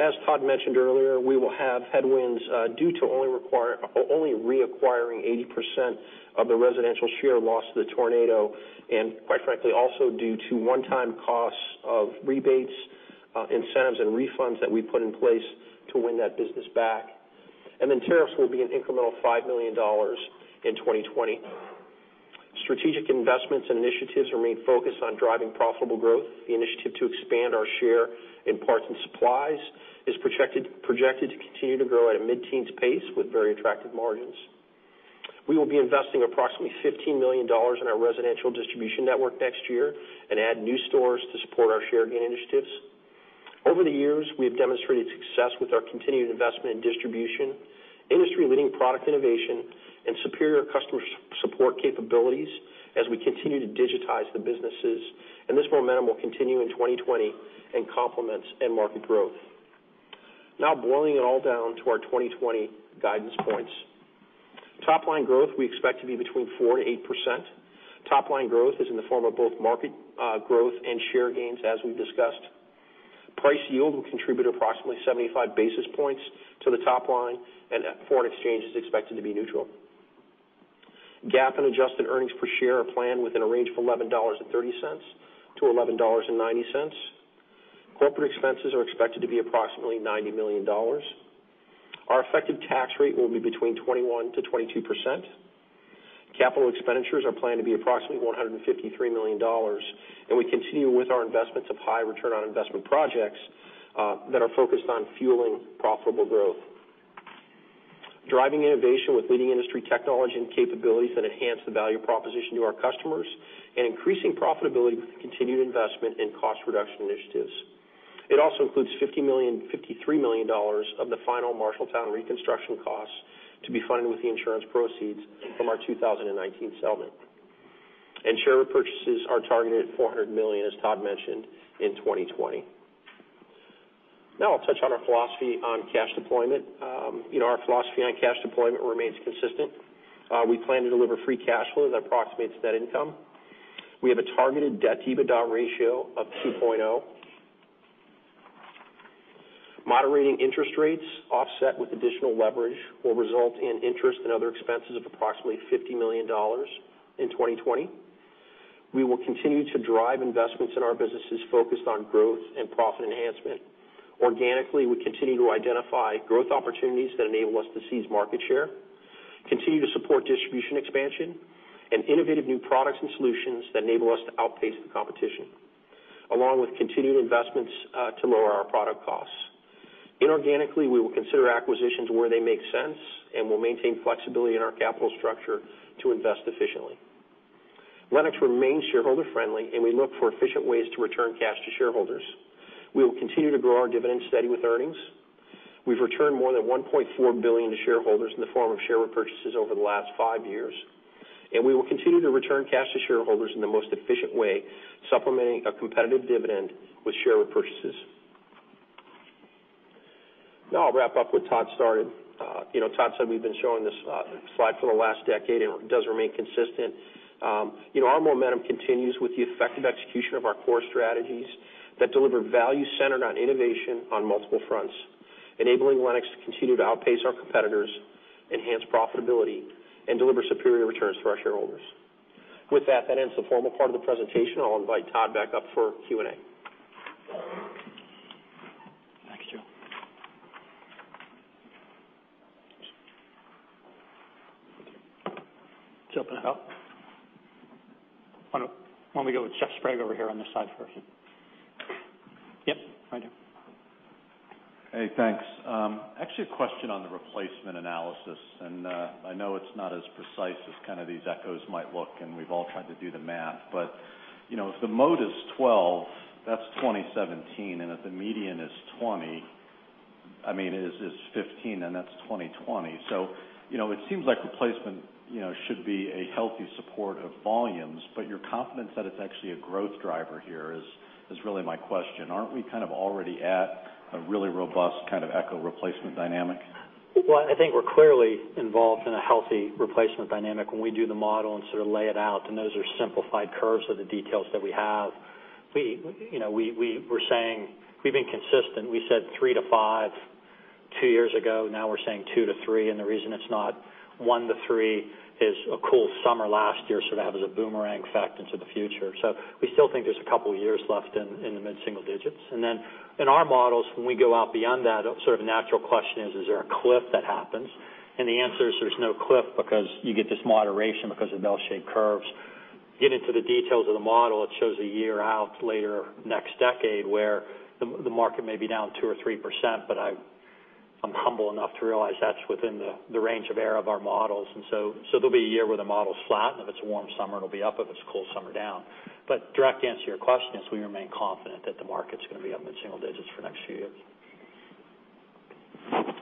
H: As Todd mentioned earlier, we will have headwinds due to only reacquiring 80% of the Residential share lost to the tornado, and quite frankly, also due to one-time costs of rebates, incentives, and refunds that we put in place to win that business back. Tariffs will be an incremental $5 million in 2020. Strategic investments and initiatives remain focused on driving profitable growth. The initiative to expand our share in parts and supplies is projected to continue to grow at a mid-teens pace with very attractive margins. We will be investing approximately $15 million in our residential distribution network next year and add new stores to support our share gain initiatives. Over the years, we have demonstrated success with our continued investment in distribution, industry-leading product innovation, and superior customer support capabilities as we continue to digitize the businesses. This momentum will continue in 2020 and complements end market growth. Boiling it all down to our 2020 guidance points. Top-line growth we expect to be between 4%-8%. Top-line growth is in the form of both market growth and share gains, as we've discussed. Price yield will contribute approximately 75 basis points to the top line, and foreign exchange is expected to be neutral. GAAP and adjusted earnings per share are planned within a range of $11.30-$11.90. Corporate expenses are expected to be approximately $90 million. Our effective tax rate will be between 21%-22%. Capital expenditures are planned to be approximately $153 million. We continue with our investments of high-return-on-investment projects that are focused on fueling profitable growth. Driving innovation with leading industry technology and capabilities that enhance the value proposition to our customers, and increasing profitability with continued investment in cost reduction initiatives. It also includes $53 million of the final Marshalltown reconstruction costs to be funded with the insurance proceeds from our 2019 settlement. Share repurchases are targeted at $400 million, as Todd mentioned, in 2020. Now I'll touch on our philosophy on cash deployment. Our philosophy on cash deployment remains consistent. We plan to deliver free cash flow that approximates net income. We have a targeted debt-EBITDA ratio of 2.0. Moderating interest rates offset with additional leverage will result in interest and other expenses of approximately $50 million in 2020. We will continue to drive investments in our businesses focused on growth and profit enhancement. Organically, we continue to identify growth opportunities that enable us to seize market share, continue to support distribution expansion, and innovative new products and solutions that enable us to outpace the competition. Along with continued investments to lower our product costs. Inorganically, we will consider acquisitions where they make sense, and we'll maintain flexibility in our capital structure to invest efficiently. Lennox remains shareholder-friendly, and we look for efficient ways to return cash to shareholders. We will continue to grow our dividend steady with earnings. We've returned more than $1.4 billion to shareholders in the form of share purchases over the last five years, and we will continue to return cash to shareholders in the most efficient way, supplementing a competitive dividend with share repurchases. I'll wrap up what Todd started. Todd said we've been showing this slide for the last decade, and it does remain consistent. Our momentum continues with the effective execution of our core strategies that deliver value centered on innovation on multiple fronts, enabling Lennox to continue to outpace our competitors, enhance profitability, and deliver superior returns for our shareholders. With that ends the formal part of the presentation. I'll invite Todd back up for Q&A.
A: Thanks, Joe. Let's open it up. Why don't we go with Jeff Sprague over here on this side first? Yep. Right here.
I: Hey, thanks. Actually, a question on the replacement analysis. I know it's not as precise as kind of these echoes might look. We've all tried to do the math, if the mode is 12, that's 2017, if the median is 15, that's 2020. It seems like replacement should be a healthy support of volumes, your confidence that it's actually a growth driver here is really my question. Aren't we kind of already at a really robust kind of echo replacement dynamic?
A: Well, I think we're clearly involved in a healthy replacement dynamic when we do the model and sort of lay it out, and those are simplified curves of the details that we have. We've been consistent. We said three to five two years ago, now we're saying two to three, and the reason it's not one to three is a cool summer last year sort of has a boomerang effect into the future. We still think there's a couple of years left in the mid-single digits. Then in our models, when we go out beyond that, sort of the natural question is there a cliff that happens? The answer is there's no cliff because you get this moderation because of bell-shaped curves. Get into the details of the model, it shows a year out later next decade where the market may be down 2% or 3%, but I'm humble enough to realize that's within the range of error of our models. There'll be a year where the model's flat, and if it's a warm summer, it'll be up, if it's a cool summer, down. Direct answer to your question is we remain confident that the market's going to be up in the single digits for next few years.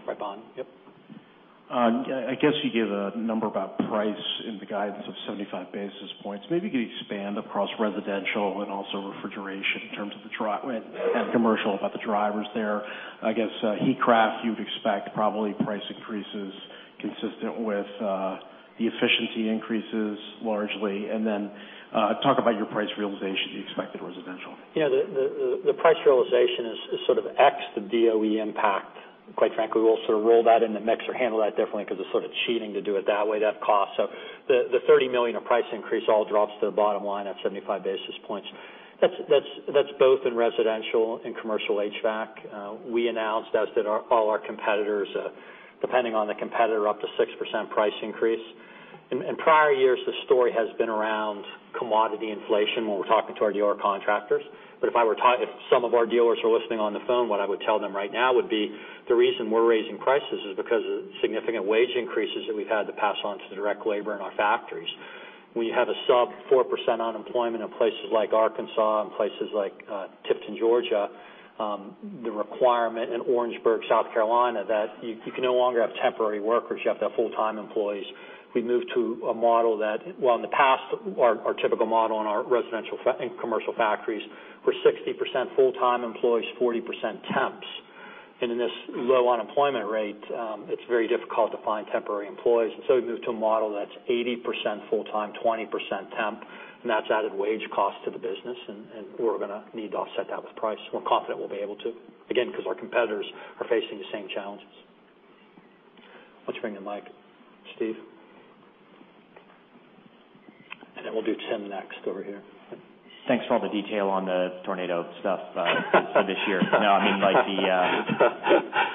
A: Right behind you. Yep.
J: I guess you gave a number about price in the guidance of 75 basis points. Maybe you could expand across Residential and also Refrigeration and Commercial about the drivers there. I guess Heatcraft you would expect probably price increases consistent with the efficiency increases largely. Then talk about your price realization you expect in Residential.
A: Yeah, the price realization is sort of ex the DOE impact. Quite frankly, we'll sort of roll that in the mix or handle that differently because it's sort of cheating to do it that way, that cost. The $30 million of price increase all drops to the bottom line at 75 basis points. That's both in residential and commercial HVAC. We announced, as did all our competitors, depending on the competitor, up to 6% price increase. In prior years, the story has been around commodity inflation when we're talking to our dealer contractors. If some of our dealers are listening on the phone, what I would tell them right now would be the reason we're raising prices is because of significant wage increases that we've had to pass on to the direct labor in our factories. When you have a sub-4% unemployment in places like Arkansas and places like Tifton, Georgia, the requirement in Orangeburg, South Carolina, that you can no longer have temporary workers, you have to have full-time employees. We moved to a model that, well, in the past, our typical model in our residential and commercial factories were 60% full-time employees, 40% temps. In this low unemployment rate, it's very difficult to find temporary employees. We've moved to a model that's 80% full-time, 20% temp, and that's added wage cost to the business, and we're going to need to offset that with price. We're confident we'll be able to, again, because our competitors are facing the same challenges. Let's bring the mic to Steve. We'll do Tim next over here.
K: Thanks for all the detail on the tornado stuff for this year. No, I mean, like—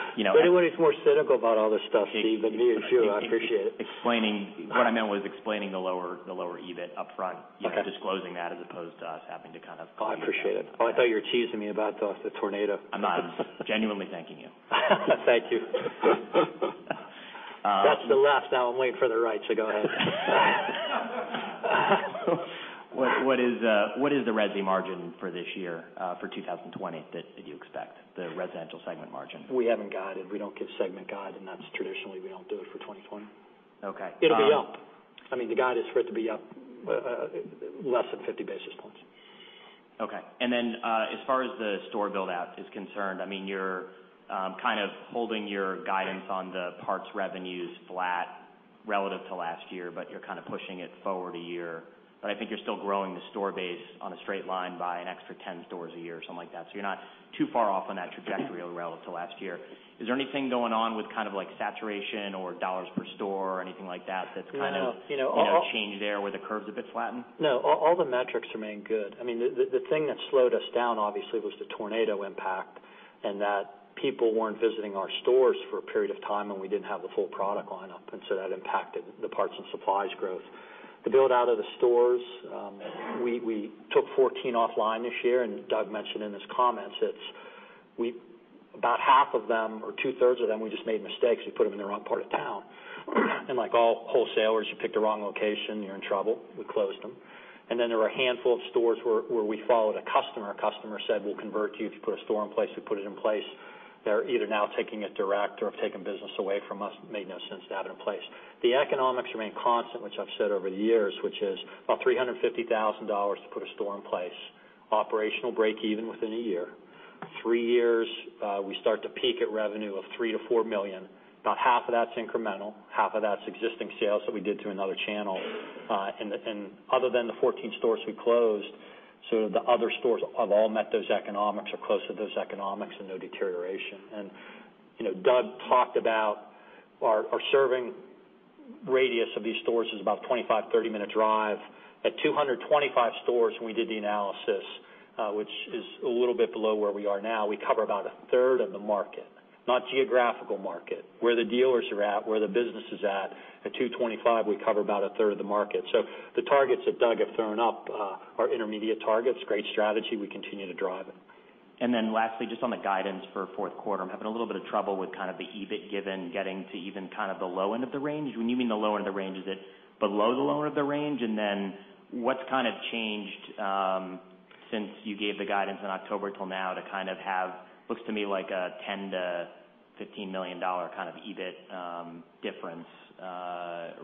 A: Anybody's more cynical about all this stuff, Steve, but me too. I appreciate it
K: What I meant was explaining the lower EBIT upfront.
A: Okay.
K: Disclosing that as opposed to us having to kind of—
A: Oh, I appreciate it. Oh, I thought you were teasing me about the tornado.
K: I'm not. Genuinely thanking you.
A: Thank you. That's the left. Now I'm waiting for the right. Go ahead.
K: What is the resi margin for this year, for 2020 that you expect, the Residential segment margin?
A: We haven't guided. We don't give segment guide. That's traditionally we don't do it for 2020.
K: Okay.
A: It'll be up. I mean, the guide is for it to be up less than 50 basis points.
K: Okay. As far as the store build-out is concerned, you're kind of holding your guidance on the parts revenues flat relative to last year, you're kind of pushing it forward a year. I think you're still growing the store base on a straight line by an extra 10 stores a year or something like that. You're not too far off on that trajectory relative to last year. Is there anything going on with kind of like saturation or dollars per store or anything like that?
A: No.
K: That changed there where the curve's a bit flattened?
A: No. All the metrics remain good. The thing that slowed us down obviously was the tornado impact. People weren't visiting our stores for a period of time, and we didn't have the full product lineup. So that impacted the parts and supplies growth. The build-out of the stores, we took 14 offline this year. Doug mentioned in his comments, about half of them or two-thirds of them, we just made mistakes. We put them in the wrong part of town. Like all wholesalers, you pick the wrong location, you're in trouble. We closed them. Then there were a handful of stores where we followed a customer. A customer said, "We'll convert you if you put a store in place." We put it in place. They're either now taking it direct or have taken business away from us. Made no sense to have it in place. The economics remain constant, which I've said over the years, which is about $350,000 to put a store in place. Operational break-even within a year. Three years, we start to peak at revenue of $3 million-$4 million. About half of that's incremental, half of that's existing sales that we did to another channel. Other than the 14 stores we closed, the other stores have all met those economics or close to those economics and no deterioration. Doug talked about our serving radius of these stores is about a 25, 30-minute drive. At 225 stores, when we did the analysis, which is a little bit below where we are now, we cover about 1/3 of the market. Not geographical market. Where the dealers are at, where the business is at. At 225, we cover about 1/3 of the market. The targets that Doug have thrown up are intermediate targets. Great strategy. We continue to drive it.
K: Lastly, just on the guidance for fourth quarter. I'm having a little bit of trouble with kind of the EBIT given, getting to even kind of the low end of the range. When you mean the low end of the range, is it below the low end of the range? What's kind of changed since you gave the guidance in October till now to kind of have, looks to me like a $10 million-$15 million kind of EBIT difference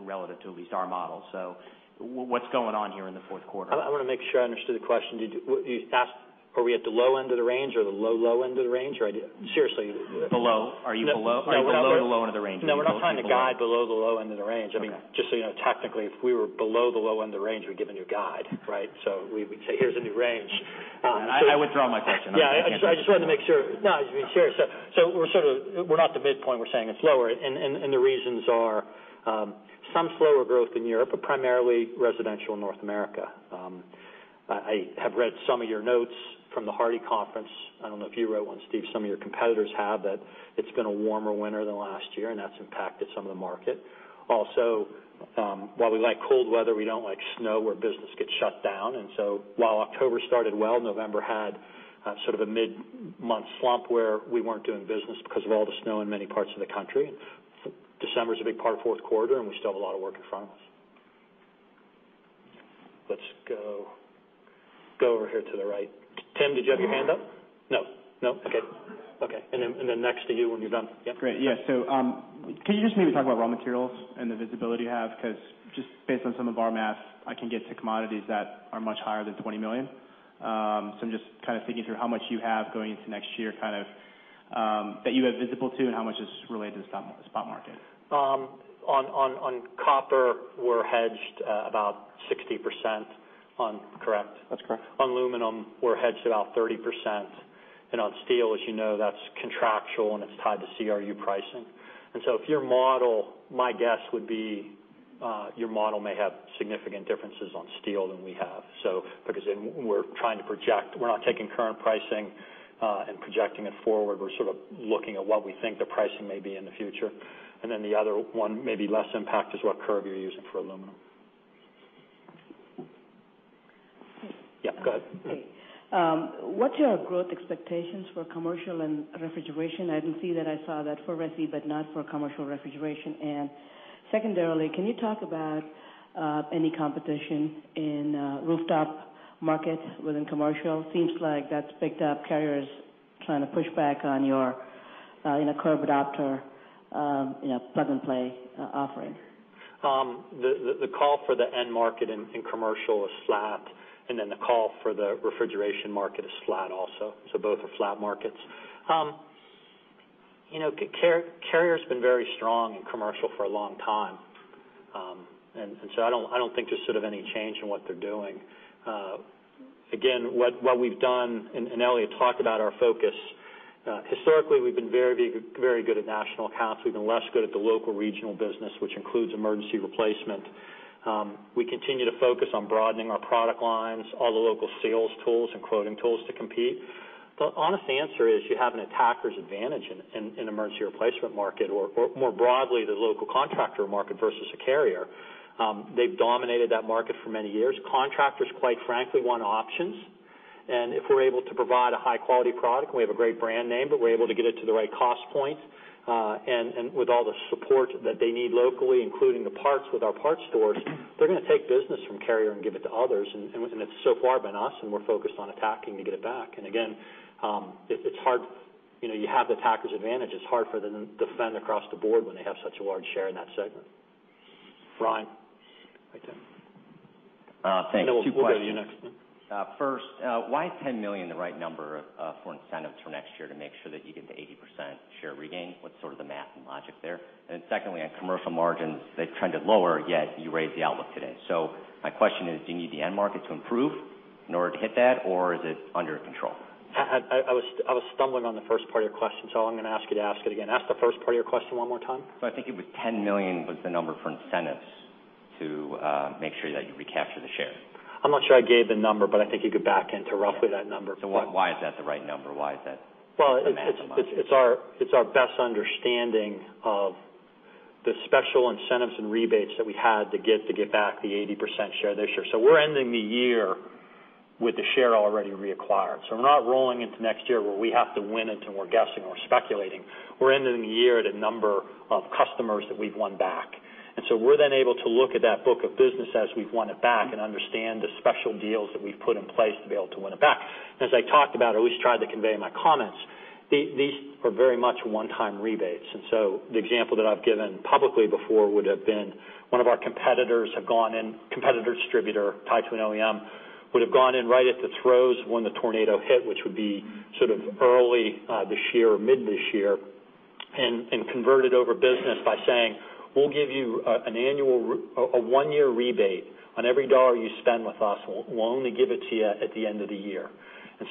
K: relative to at least our model. What's going on here in the fourth quarter?
A: I want to make sure I understood the question. You asked are we at the low end of the range or the low low end of the range?
K: Below. Are you below? Like lower end of the range.
A: No, we're not trying to guide below the low end of the range.
K: Okay.
A: I mean, just so you know, technically if we were below the low end of range, we'd give a new guide, right? We'd say, here's a new range.
K: I withdraw my question.
A: Yeah. I just wanted to make sure. No, to be serious, we're sort of, we're not the midpoint, we're saying it's lower. The reasons are some slower growth in Europe, but primarily residential North America. I have read some of your notes from the HARDI Conference. I don't know if you wrote one, Steve. Some of your competitors have, that it's been a warmer winter than last year, and that's impacted some of the market. Also, while we like cold weather, we don't like snow where business gets shut down. While October started well, November had sort of a mid-month slump where we weren't doing business because of all the snow in many parts of the country. December is a big part of fourth quarter, and we still have a lot of work in front of us. Let's go over here to the right. Tim, did you have your hand up? No. Okay. Then next to you when you're done. Yeah.
L: Great. Yeah. Can you just maybe talk about raw materials and the visibility you have? Because just based on some of our math, I can get to commodities that are much higher than $20 million. I'm just kind of thinking through how much you have going into next year, kind of, that you have visible to, and how much is related to the spot market.
A: On copper, we're hedged about 60% on, correct?
H: That's correct.
A: On aluminum, we're hedged about 30%. On steel, as you know, that's contractual and it's tied to CRU pricing. If your model, my guess would be your model may have significant differences on steel than we have. Because we're trying to project, we're not taking current pricing and projecting it forward. We're sort of looking at what we think the pricing may be in the future. The other one, maybe less impact, is what curve you're using for aluminum. Yeah, go ahead.
M: Great. What's your growth expectations for Commercial and Refrigeration? I didn't see that. I saw that for Resi, but not for Commercial, Refrigeration. Secondarily, can you talk about any competition in rooftop markets within Commercial? Seems like that's picked up. Carrier's trying to push back on your curb adapter plug-and-play offering.
A: The call for the end market in Commercial is flat, the call for the Refrigeration market is flat also. Both are flat markets. Carrier's been very strong in commercial for a long time. I don't think there's sort of any change in what they're doing. Again, what we've done, Elliot talked about our focus. Historically we've been very good at national accounts. We've been less good at the local regional business, which includes emergency replacement. We continue to focus on broadening our product lines, all the local sales tools and quoting tools to compete. The honest answer is you have an attacker's advantage in emergency replacement market or more broadly, the local contractor market versus a Carrier. They've dominated that market for many years. Contractors, quite frankly, want options, and if we're able to provide a high-quality product, we have a great brand name, but we're able to get it to the right cost point. With all the support that they need locally, including the parts with our parts stores, they're going to take business from Carrier and give it to others. It's so far been us, and we're focused on attacking to get it back. Again, you have the attacker's advantage. It's hard for them to defend across the board when they have such a large share in that segment. In front. Hi, Tim.
N: Thanks. Two questions.
A: We'll go to you next, then.
N: First, why is $10 million the right number for incentives for next year to make sure that you get to 80% share regain? What's sort of the math and logic there? Secondly, on Commercial margins, they've trended lower, yet you raised the outlook today. My question is, do you need the end market to improve in order to hit that, or is it under control?
A: I was stumbling on the first part of your question, so I'm going to ask you to ask it again. Ask the first part of your question one more time.
N: I think it was $10 million was the number for incentives, to make sure that you recapture the share.
A: I'm not sure I gave the number, but I think you could back into roughly that number.
N: Why is that the right number? Why is that the math and logic?
A: It's our best understanding of the special incentives and rebates that we had to get to back the 80% share this year. We're ending the year with the share already reacquired. We're not rolling into next year where we have to win it, and we're guessing or speculating. We're ending the year at a number of customers that we've won back. We're then able to look at that book of business as we've won it back and understand the special deals that we've put in place to be able to win it back. As I talked about, or at least tried to convey in my comments, these are very much one-time rebates. The example that I've given publicly before would have been one of our competitors have gone in, competitor distributor tied to an OEM, would've gone in right at the throes when the tornado hit, which would be sort of early this year or mid this year, and converted over business by saying, "We'll give you a one-year rebate on every dollar you spend with us. We'll only give it to you at the end of the year."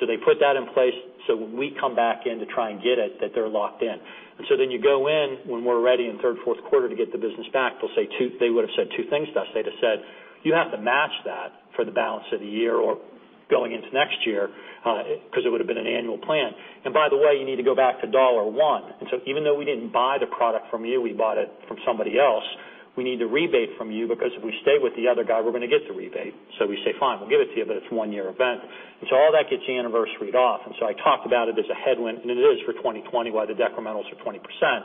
A: They put that in place so when we come back in to try and get it, that they're locked in. You go in, when we're ready in third, fourth quarter to get the business back, they would've said two things to us. They'd have said, "You have to match that for the balance of the year or going into next year," because it would've been an annual plan. By the way, you need to go back to dollar one. Even though we didn't buy the product from you, we bought it from somebody else, we need the rebate from you because if we stay with the other guy, we're going to get the rebate. We say, "Fine, we'll give it to you, but it's a one-year event." All that gets anniversaried off, I talked about it as a headwind, and it is for 2020, why the decrementals are 20%,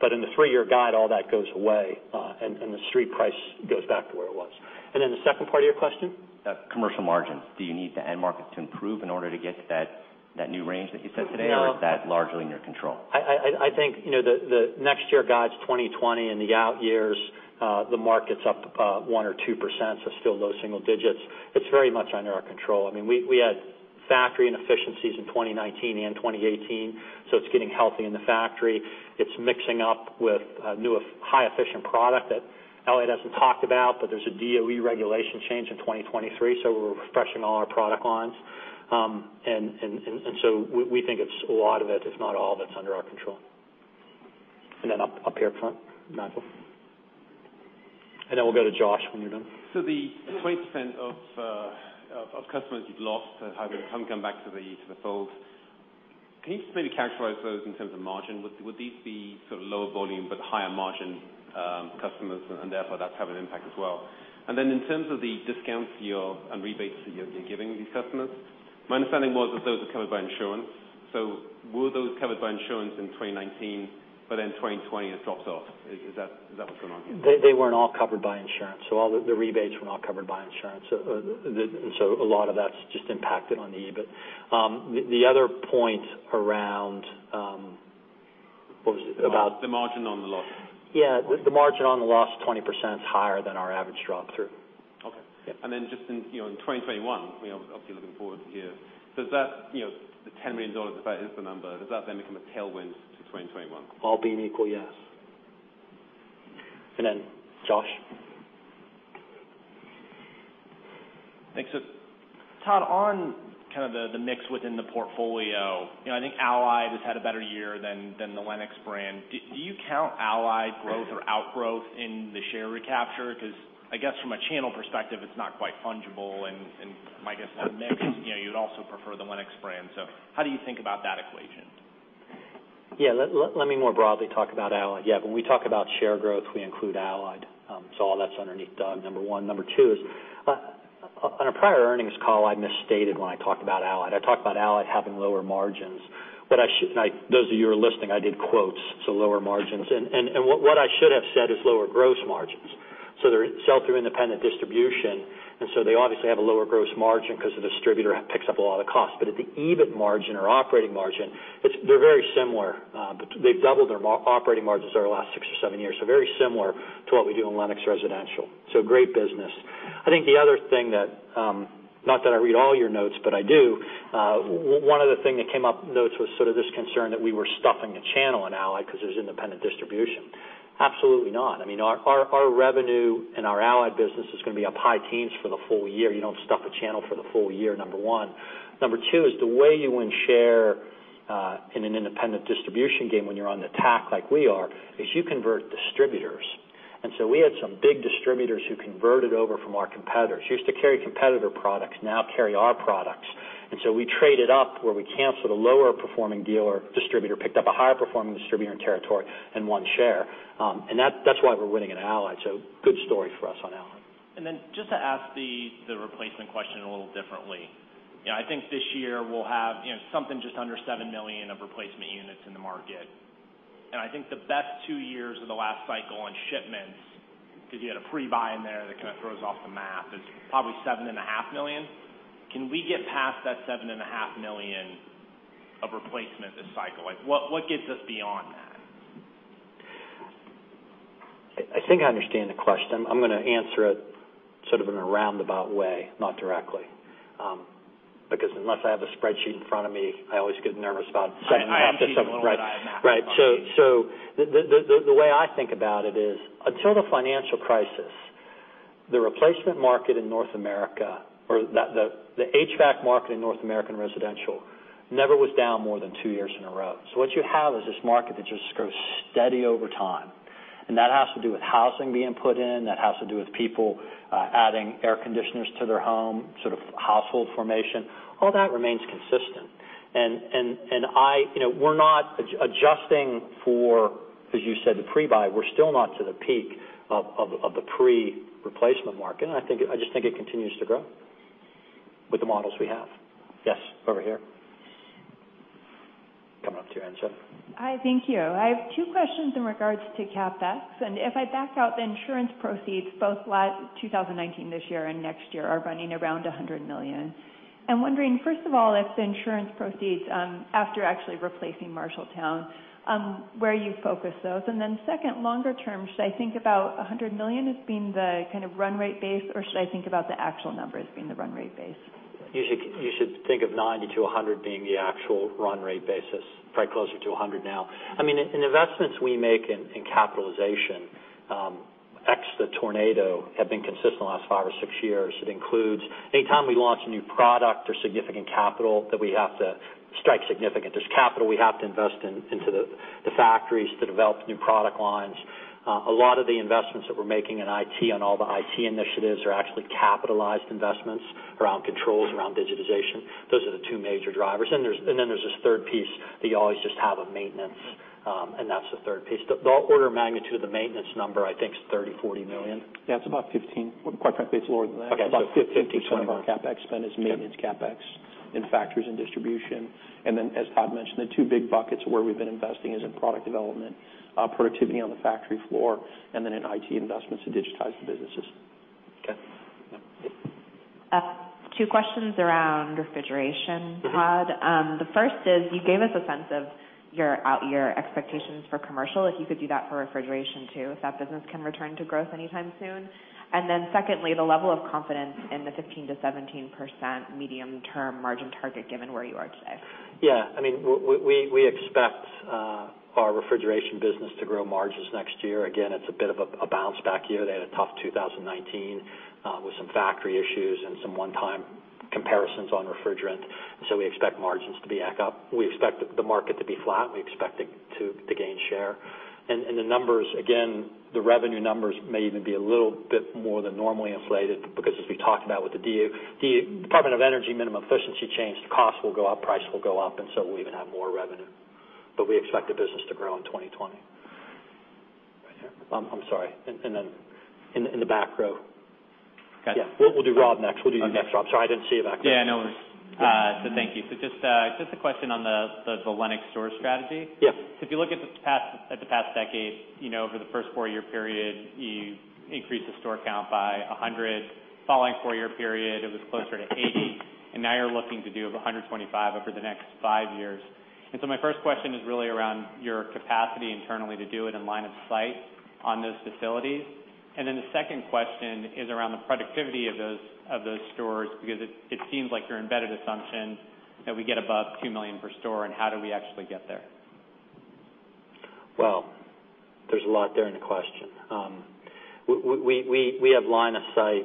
A: but in the three-year guide, all that goes away, and the Street price goes back to where it was. The second part of your question?
N: Commercial margins. Do you need the end market to improve in order to get to that new range that you set today?
A: No.
N: Is that largely in your control?
A: I think, the next year guide's 2020, and the out years, the market's up 1% or 2%, it's still low single digits. It's very much under our control. We had factory inefficiencies in 2019 and 2018, it's getting healthy in the factory. It's mixing up with new high efficient product that Elliot hasn't talked about, but there's a DOE regulation change in 2023, we're refreshing all our product lines. We think it's a lot of it, if not all of it's under our control. Up here in front, [Michael]. We'll go to Josh when you're done.
O: The 20% of customers you've lost that haven't come back to the fold, can you just maybe characterize those in terms of margin? Would these be sort of lower-volume but higher-margin customers and therefore that's having an impact as well? Then in terms of the discounts and rebates that you're giving these customers, my understanding was that those are covered by insurance. Were those covered by insurance in 2019, but in 2020, it drops off. Is that what's going on?
A: They weren't all covered by insurance. The rebates weren't all covered by insurance. A lot of that's just impacted on the EBIT. The other point around, what was it?
O: The margin on the loss.
A: Yeah. The margin on the loss, 20%'s higher than our average drop-through.
O: Okay.
A: Yeah.
O: Just in 2021, obviously looking forward to here, does that $10 million, if that is the number, does that then become a tailwind to 2021?
A: All being equal, yes. Then Josh.
P: Thanks. Todd, on kind of the mix within the portfolio, I think Allied has had a better year than the Lennox brand. Do you count Allied growth or outgrowth in the share recapture? I guess from a channel perspective, it's not quite fungible, and my guess on mix, you'd also prefer the Lennox brand. How do you think about that equation?
A: Let me more broadly talk about Allied. When we talk about share growth, we include Allied. All that's underneath, number one. Number two is on our prior earnings call, I misstated when I talked about Allied. I talked about Allied having lower margins. Those of you who are listening, I did quotes, so "lower margins." What I should have said is lower gross margins. They sell through independent distribution, and so they obviously have a lower gross margin because the distributor picks up a lot of the cost. At the EBIT margin or operating margin, they're very similar. They've doubled their operating margins over the last six or seven years, so very similar to what we do in Lennox Residential. Great business. I think the other thing that, not that I read all your notes, but I do, one other thing that came up in the notes was sort of this concern that we were stuffing the channel in Allied because there's independent distribution. Absolutely not. Our revenue in our Allied business is going to be up high teens for the full year. You don't stuff a channel for the full year, number one. Number two is the way you win share in an independent distribution game when you're on attack like we are, is you convert distributors. We had some big distributors who converted over from our competitors, used to carry competitor products, now carry our products. We traded up where we canceled a lower-performing dealer, distributor, picked up a higher-performing distributor in territory and won share. That's why we're winning at Allied. Good story for us on Allied.
P: Just to ask the replacement question a little differently. I think this year we'll have something just under 7 million of replacement units in the market. I think the best two years of the last cycle on shipments, because you had a pre-buy in there that kind of throws off the math, is probably 7.5 million. Can we get past that 7.5 million of replacement this cycle? What gets us beyond that?
A: I think I understand the question. I'm going to answer it sort of in a roundabout way, not directly. Unless I have a spreadsheet in front of me, I always get nervous about saying.
P: I am seeing a little bit of that math in my head.
A: Right. The way I think about it is until the financial crisis, the replacement market in North America, or the HVAC market in North American residential. Never was down more than two years in a row. What you have is this market that just grows steady over time, and that has to do with housing being put in. That has to do with people adding air conditioners to their home, sort of household formation. All that remains consistent. We're not adjusting for, as you said, the pre-buy. We're still not to the peak of the pre-replacement market, and I just think it continues to grow with the models we have. Yes, over here. Coming up to you, [Ansha].
Q: Hi, thank you. I have two questions in regards to CapEx. If I back out the insurance proceeds both 2019, this year, and next year are running around $100 million. I'm wondering, first of all, if the insurance proceeds, after actually replacing Marshalltown, where you focus those? Second, longer term, should I think about $100 million as being the kind of run rate base, or should I think about the actual number as being the run rate base?
A: You should think of $90 million-$100 million being the actual run rate basis. Probably closer to $100 million now. In investments we make in CapEx, ex the tornado, have been consistent the last five or six years. It includes any time we launch a new product or significant capital that we have to strike significant. There's capital we have to invest into the factories to develop new product lines. A lot of the investments that we're making in IT, on all the IT initiatives, are actually capitalized investments around controls, around digitization. Those are the two major drivers. Then there's this third piece that you always just have a maintenance, and that's the third piece. The order of magnitude of the maintenance number, I think, is $30 million, $40 million.
H: Yeah, it's about $15 million. Quite frankly, it's lower than that.
A: Okay, $15 million.
H: our CapEx spend is maintenance CapEx in factories and distribution. As Todd mentioned, the two big buckets where we've been investing is in product development, productivity on the factory floor, and then in IT investments to digitize the businesses.
A: Okay. Yeah.
Q: Two questions around Refrigeration, Todd. The first is you gave us a sense of your out-year expectations for Commercial. If you could do that for Refrigeration, too, if that business can return to growth anytime soon. Secondly, the level of confidence in the 15%-17% medium-term margin target, given where you are today.
A: Yeah. We expect our Refrigeration business to grow margins next year. It's a bit of a bounce-back year. They had a tough 2019 with some factory issues and some one-time comparisons on refrigerant. We expect margins to be back up. We expect the market to be flat. We expect to gain share. The numbers, again, the revenue numbers may even be a little bit more than normally inflated, because as we talked about with the Department of Energy minimum efficiency change, the cost will go up, price will go up, we even have more revenue. We expect the business to grow in 2020. Right here. I'm sorry. In the back row.
R: Okay.
A: Yeah. We'll do Rob next. We'll do you next, Rob. Sorry, I didn't see you back there.
R: Yeah, no worries. Thank you. Just a question on the Lennox Store strategy.
A: Yeah.
R: If you look at the past decade, over the first four-year period, you increased the store count by 100. Following four-year period, it was closer to 80, and now you're looking to do over 125 over the next five years. My first question is really around your capacity internally to do it and line of sight on those facilities. The second question is around the productivity of those stores, because it seems like your embedded assumption that we get above $2 million per store, and how do we actually get there?
A: Well, there's a lot there in the question. We have line of sight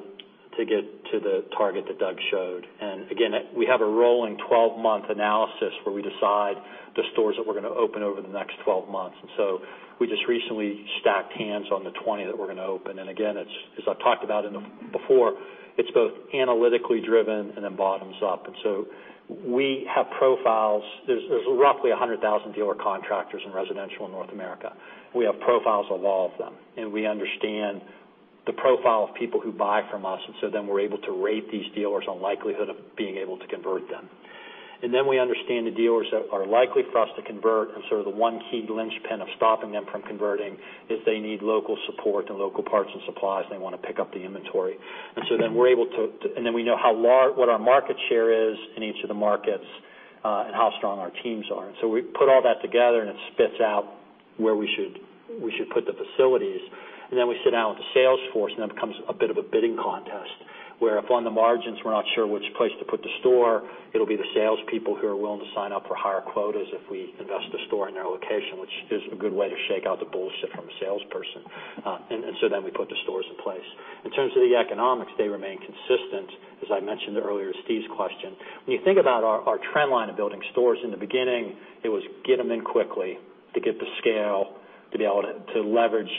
A: to get to the target that Doug showed. Again, we have a rolling 12-month analysis where we decide the stores that we're going to open over the next 12 months. We just recently stacked hands on the 20 that we're going to open. Again, as I've talked about before, it's both analytically driven and then bottoms up. We have profiles. There's roughly 100,000 dealer/contractors in residential in North America. We have profiles of all of them, and we understand the profile of people who buy from us, and so then we're able to rate these dealers on likelihood of being able to convert them. We understand the dealers that are likely for us to convert and sort of the one key linchpin of stopping them from converting if they need local support and local parts and supplies, and they want to pick up the inventory. We know what our market share is in each of the markets, and how strong our teams are. We put all that together, and it spits out where we should put the facilities. We sit down with the sales force, and then it becomes a bit of a bidding contest, where if on the margins, we're not sure which place to put the store, it'll be the salespeople who are willing to sign up for higher quotas if we invest a store in their location, which is a good way to shake out the bullshit from a salesperson. We put the stores in place. In terms of the economics, they remain consistent, as I mentioned earlier to Steve's question. When you think about our trend line of building stores, in the beginning, it was get them in quickly to get the scale, to be able to leverage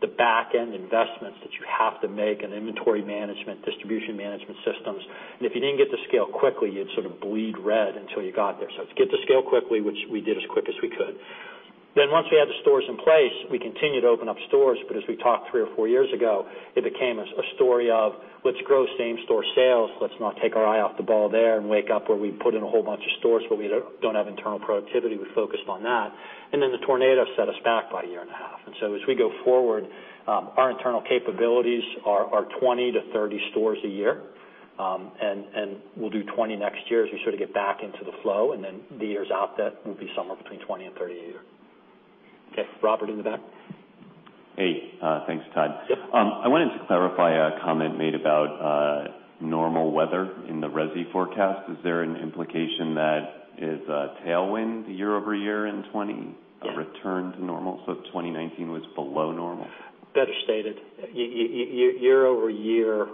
A: the back-end investments that you have to make in inventory management, distribution management systems. If you didn't get to scale quickly, you'd sort of bleed red until you got there. It's get to scale quickly, which we did as quick as we could. Once we had the stores in place, we continued to open up stores, but as we talked three or four years ago, it became a story of let's grow same-store sales. Let's not take our eye off the ball there and wake up where we put in a whole bunch of stores where we don't have internal productivity. We focused on that. The tornado set us back by a year and a half. As we go forward, our internal capabilities are 20-30 stores a year. We'll do 20 next year as we sort of get back into the flow, the years out, that will be somewhere between 20 and 30 a year. Okay. Robert in the back.
S: Hey, thanks, Todd.
A: Yep.
S: I wanted to clarify a comment made about normal weather in the Resi forecast. Is there an implication that is a tailwind year-over-year in 2020?
A: Yeah.
S: A return to normal, so 2019 was below normal?
A: Better stated. Year-over-year,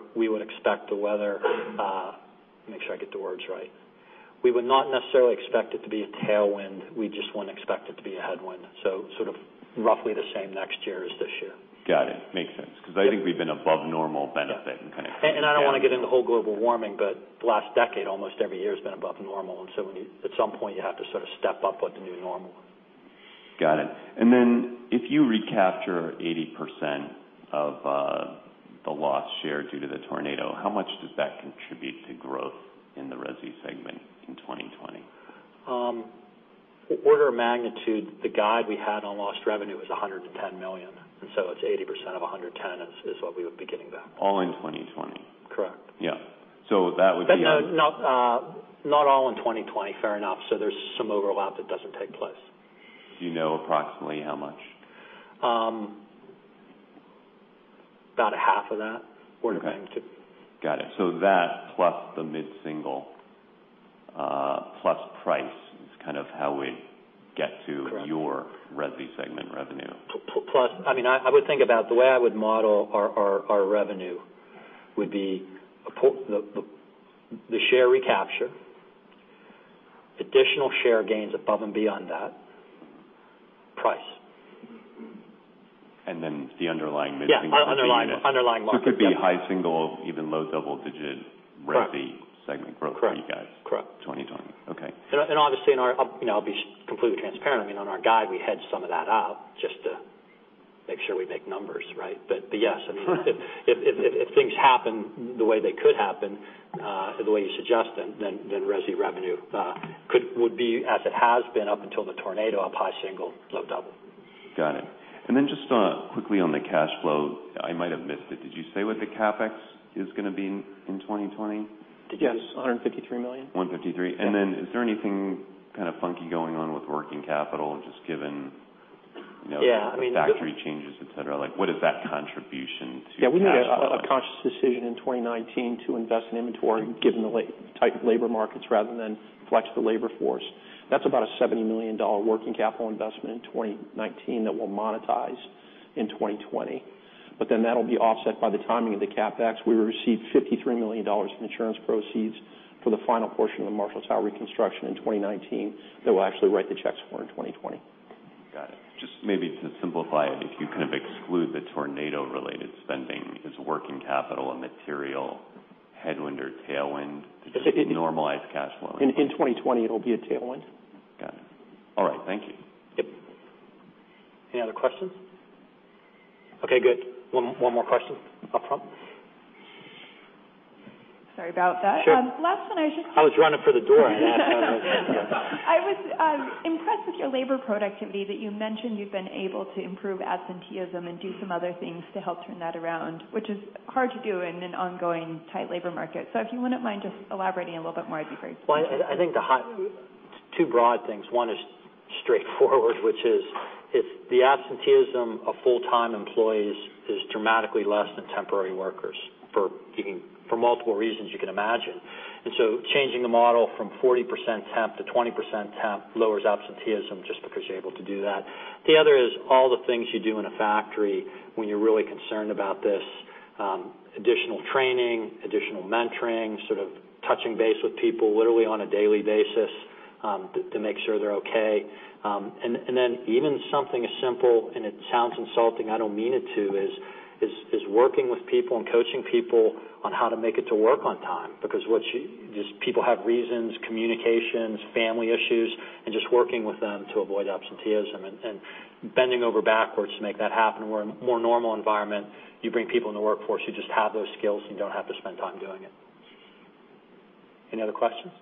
A: we would not necessarily expect it to be a tailwind. We just wouldn't expect it to be a headwind. Sort of roughly the same next year as this year.
S: Got it. Makes sense, because I think we've been above normal benefit.
A: I don't want to get into the whole global warming, but the last decade, almost every year has been above normal. At some point, you have to sort of step up what the new normal is.
S: Got it. If you recapture 80% of the lost share due to the tornado, how much does that contribute to growth in the Resi segment in 2020?
A: Order of magnitude, the guide we had on lost revenue was $110 million. It's 80% of $110 million is what we would be getting back.
S: All in 2020?
A: Correct.
S: Yeah.
A: No, not all in 2020. Fair enough. There's some overlap that doesn't take place.
S: Do you know approximately how much?
A: About a half of that order of magnitude.
S: Okay. Got it. That plus the mid-single, plus price is kind of how we get to—
A: Correct.
S: Your Resi segment revenue.
A: I would think about the way I would model our revenue would be the share recapture, additional share gains above and beyond that, price.
S: The underlying mid-single would be—
A: Yeah, underlying loss. Yep.
S: It could be high single, even low double-digit—
A: Correct.
S: Resi segment growth for you guys.
A: Correct.
S: In 2020. Okay.
A: Obviously, I'll be completely transparent. On our guide, we hedged some of that out just to make sure we make numbers, right? Yes, if things happen the way they could happen or the way you suggest, then Resi revenue would be as it has been up until the tornado, up high single, low double.
S: Got it. Then just quickly on the cash flow, I might have missed it. Did you say what the CapEx is going to be in 2020?
H: Yes. $153 million.
S: Is there anything kind of funky going on with working capital, just given
H: Yeah, I mean—
S: The factory changes, et cetera? What is that contribution to cash flow?
H: Yeah, we made a conscious decision in 2019 to invest in inventory, given the tight labor markets, rather than flex the labor force. That's about a $70 million working capital investment in 2019 that we'll monetize in 2020. That'll be offset by the timing of the CapEx. We received $53 million in insurance proceeds for the final portion of the Marshalltown reconstruction in 2019 that we'll actually write the checks for in 2020.
S: Got it. Just maybe to simplify it, if you kind of exclude the tornado-related spending, is working capital a material headwind or tailwind to just normalized cash flow?
H: In 2020, it'll be a tailwind.
S: Got it. All right. Thank you.
H: Yep.
A: Any other questions? Okay, good. One more question up front.
Q: Sorry about that.
A: Sure.
Q: Last one.
A: I was running for the door on that.
Q: I was impressed with your labor productivity that you mentioned you've been able to improve absenteeism and do some other things to help turn that around, which is hard to do in an ongoing tight labor market. If you wouldn't mind just elaborating a little bit more, I'd be grateful.
A: I think two broad things. One is straightforward, which is if the absenteeism of full-time employees is dramatically less than temporary workers, for multiple reasons you can imagine. Changing the model from 40% temp to 20% temp lowers absenteeism just because you're able to do that. The other is all the things you do in a factory when you're really concerned about this. Additional training, additional mentoring, sort of touching base with people literally on a daily basis to make sure they're okay. Even something as simple, and it sounds insulting, I don't mean it to, is working with people and coaching people on how to make it to work on time. Because people have reasons, communications, family issues, and just working with them to avoid absenteeism and bending over backwards to make that happen. In a more normal environment, you bring people in the workforce who just have those skills, and you don't have to spend time doing it. Any other questions?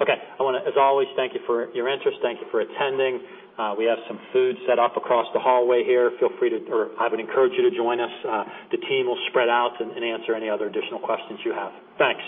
A: Okay. I want to, as always, thank you for your interest. Thank you for attending. We have some food set up across the hallway here. I would encourage you to join us. The team will spread out and answer any other additional questions you have. Thanks.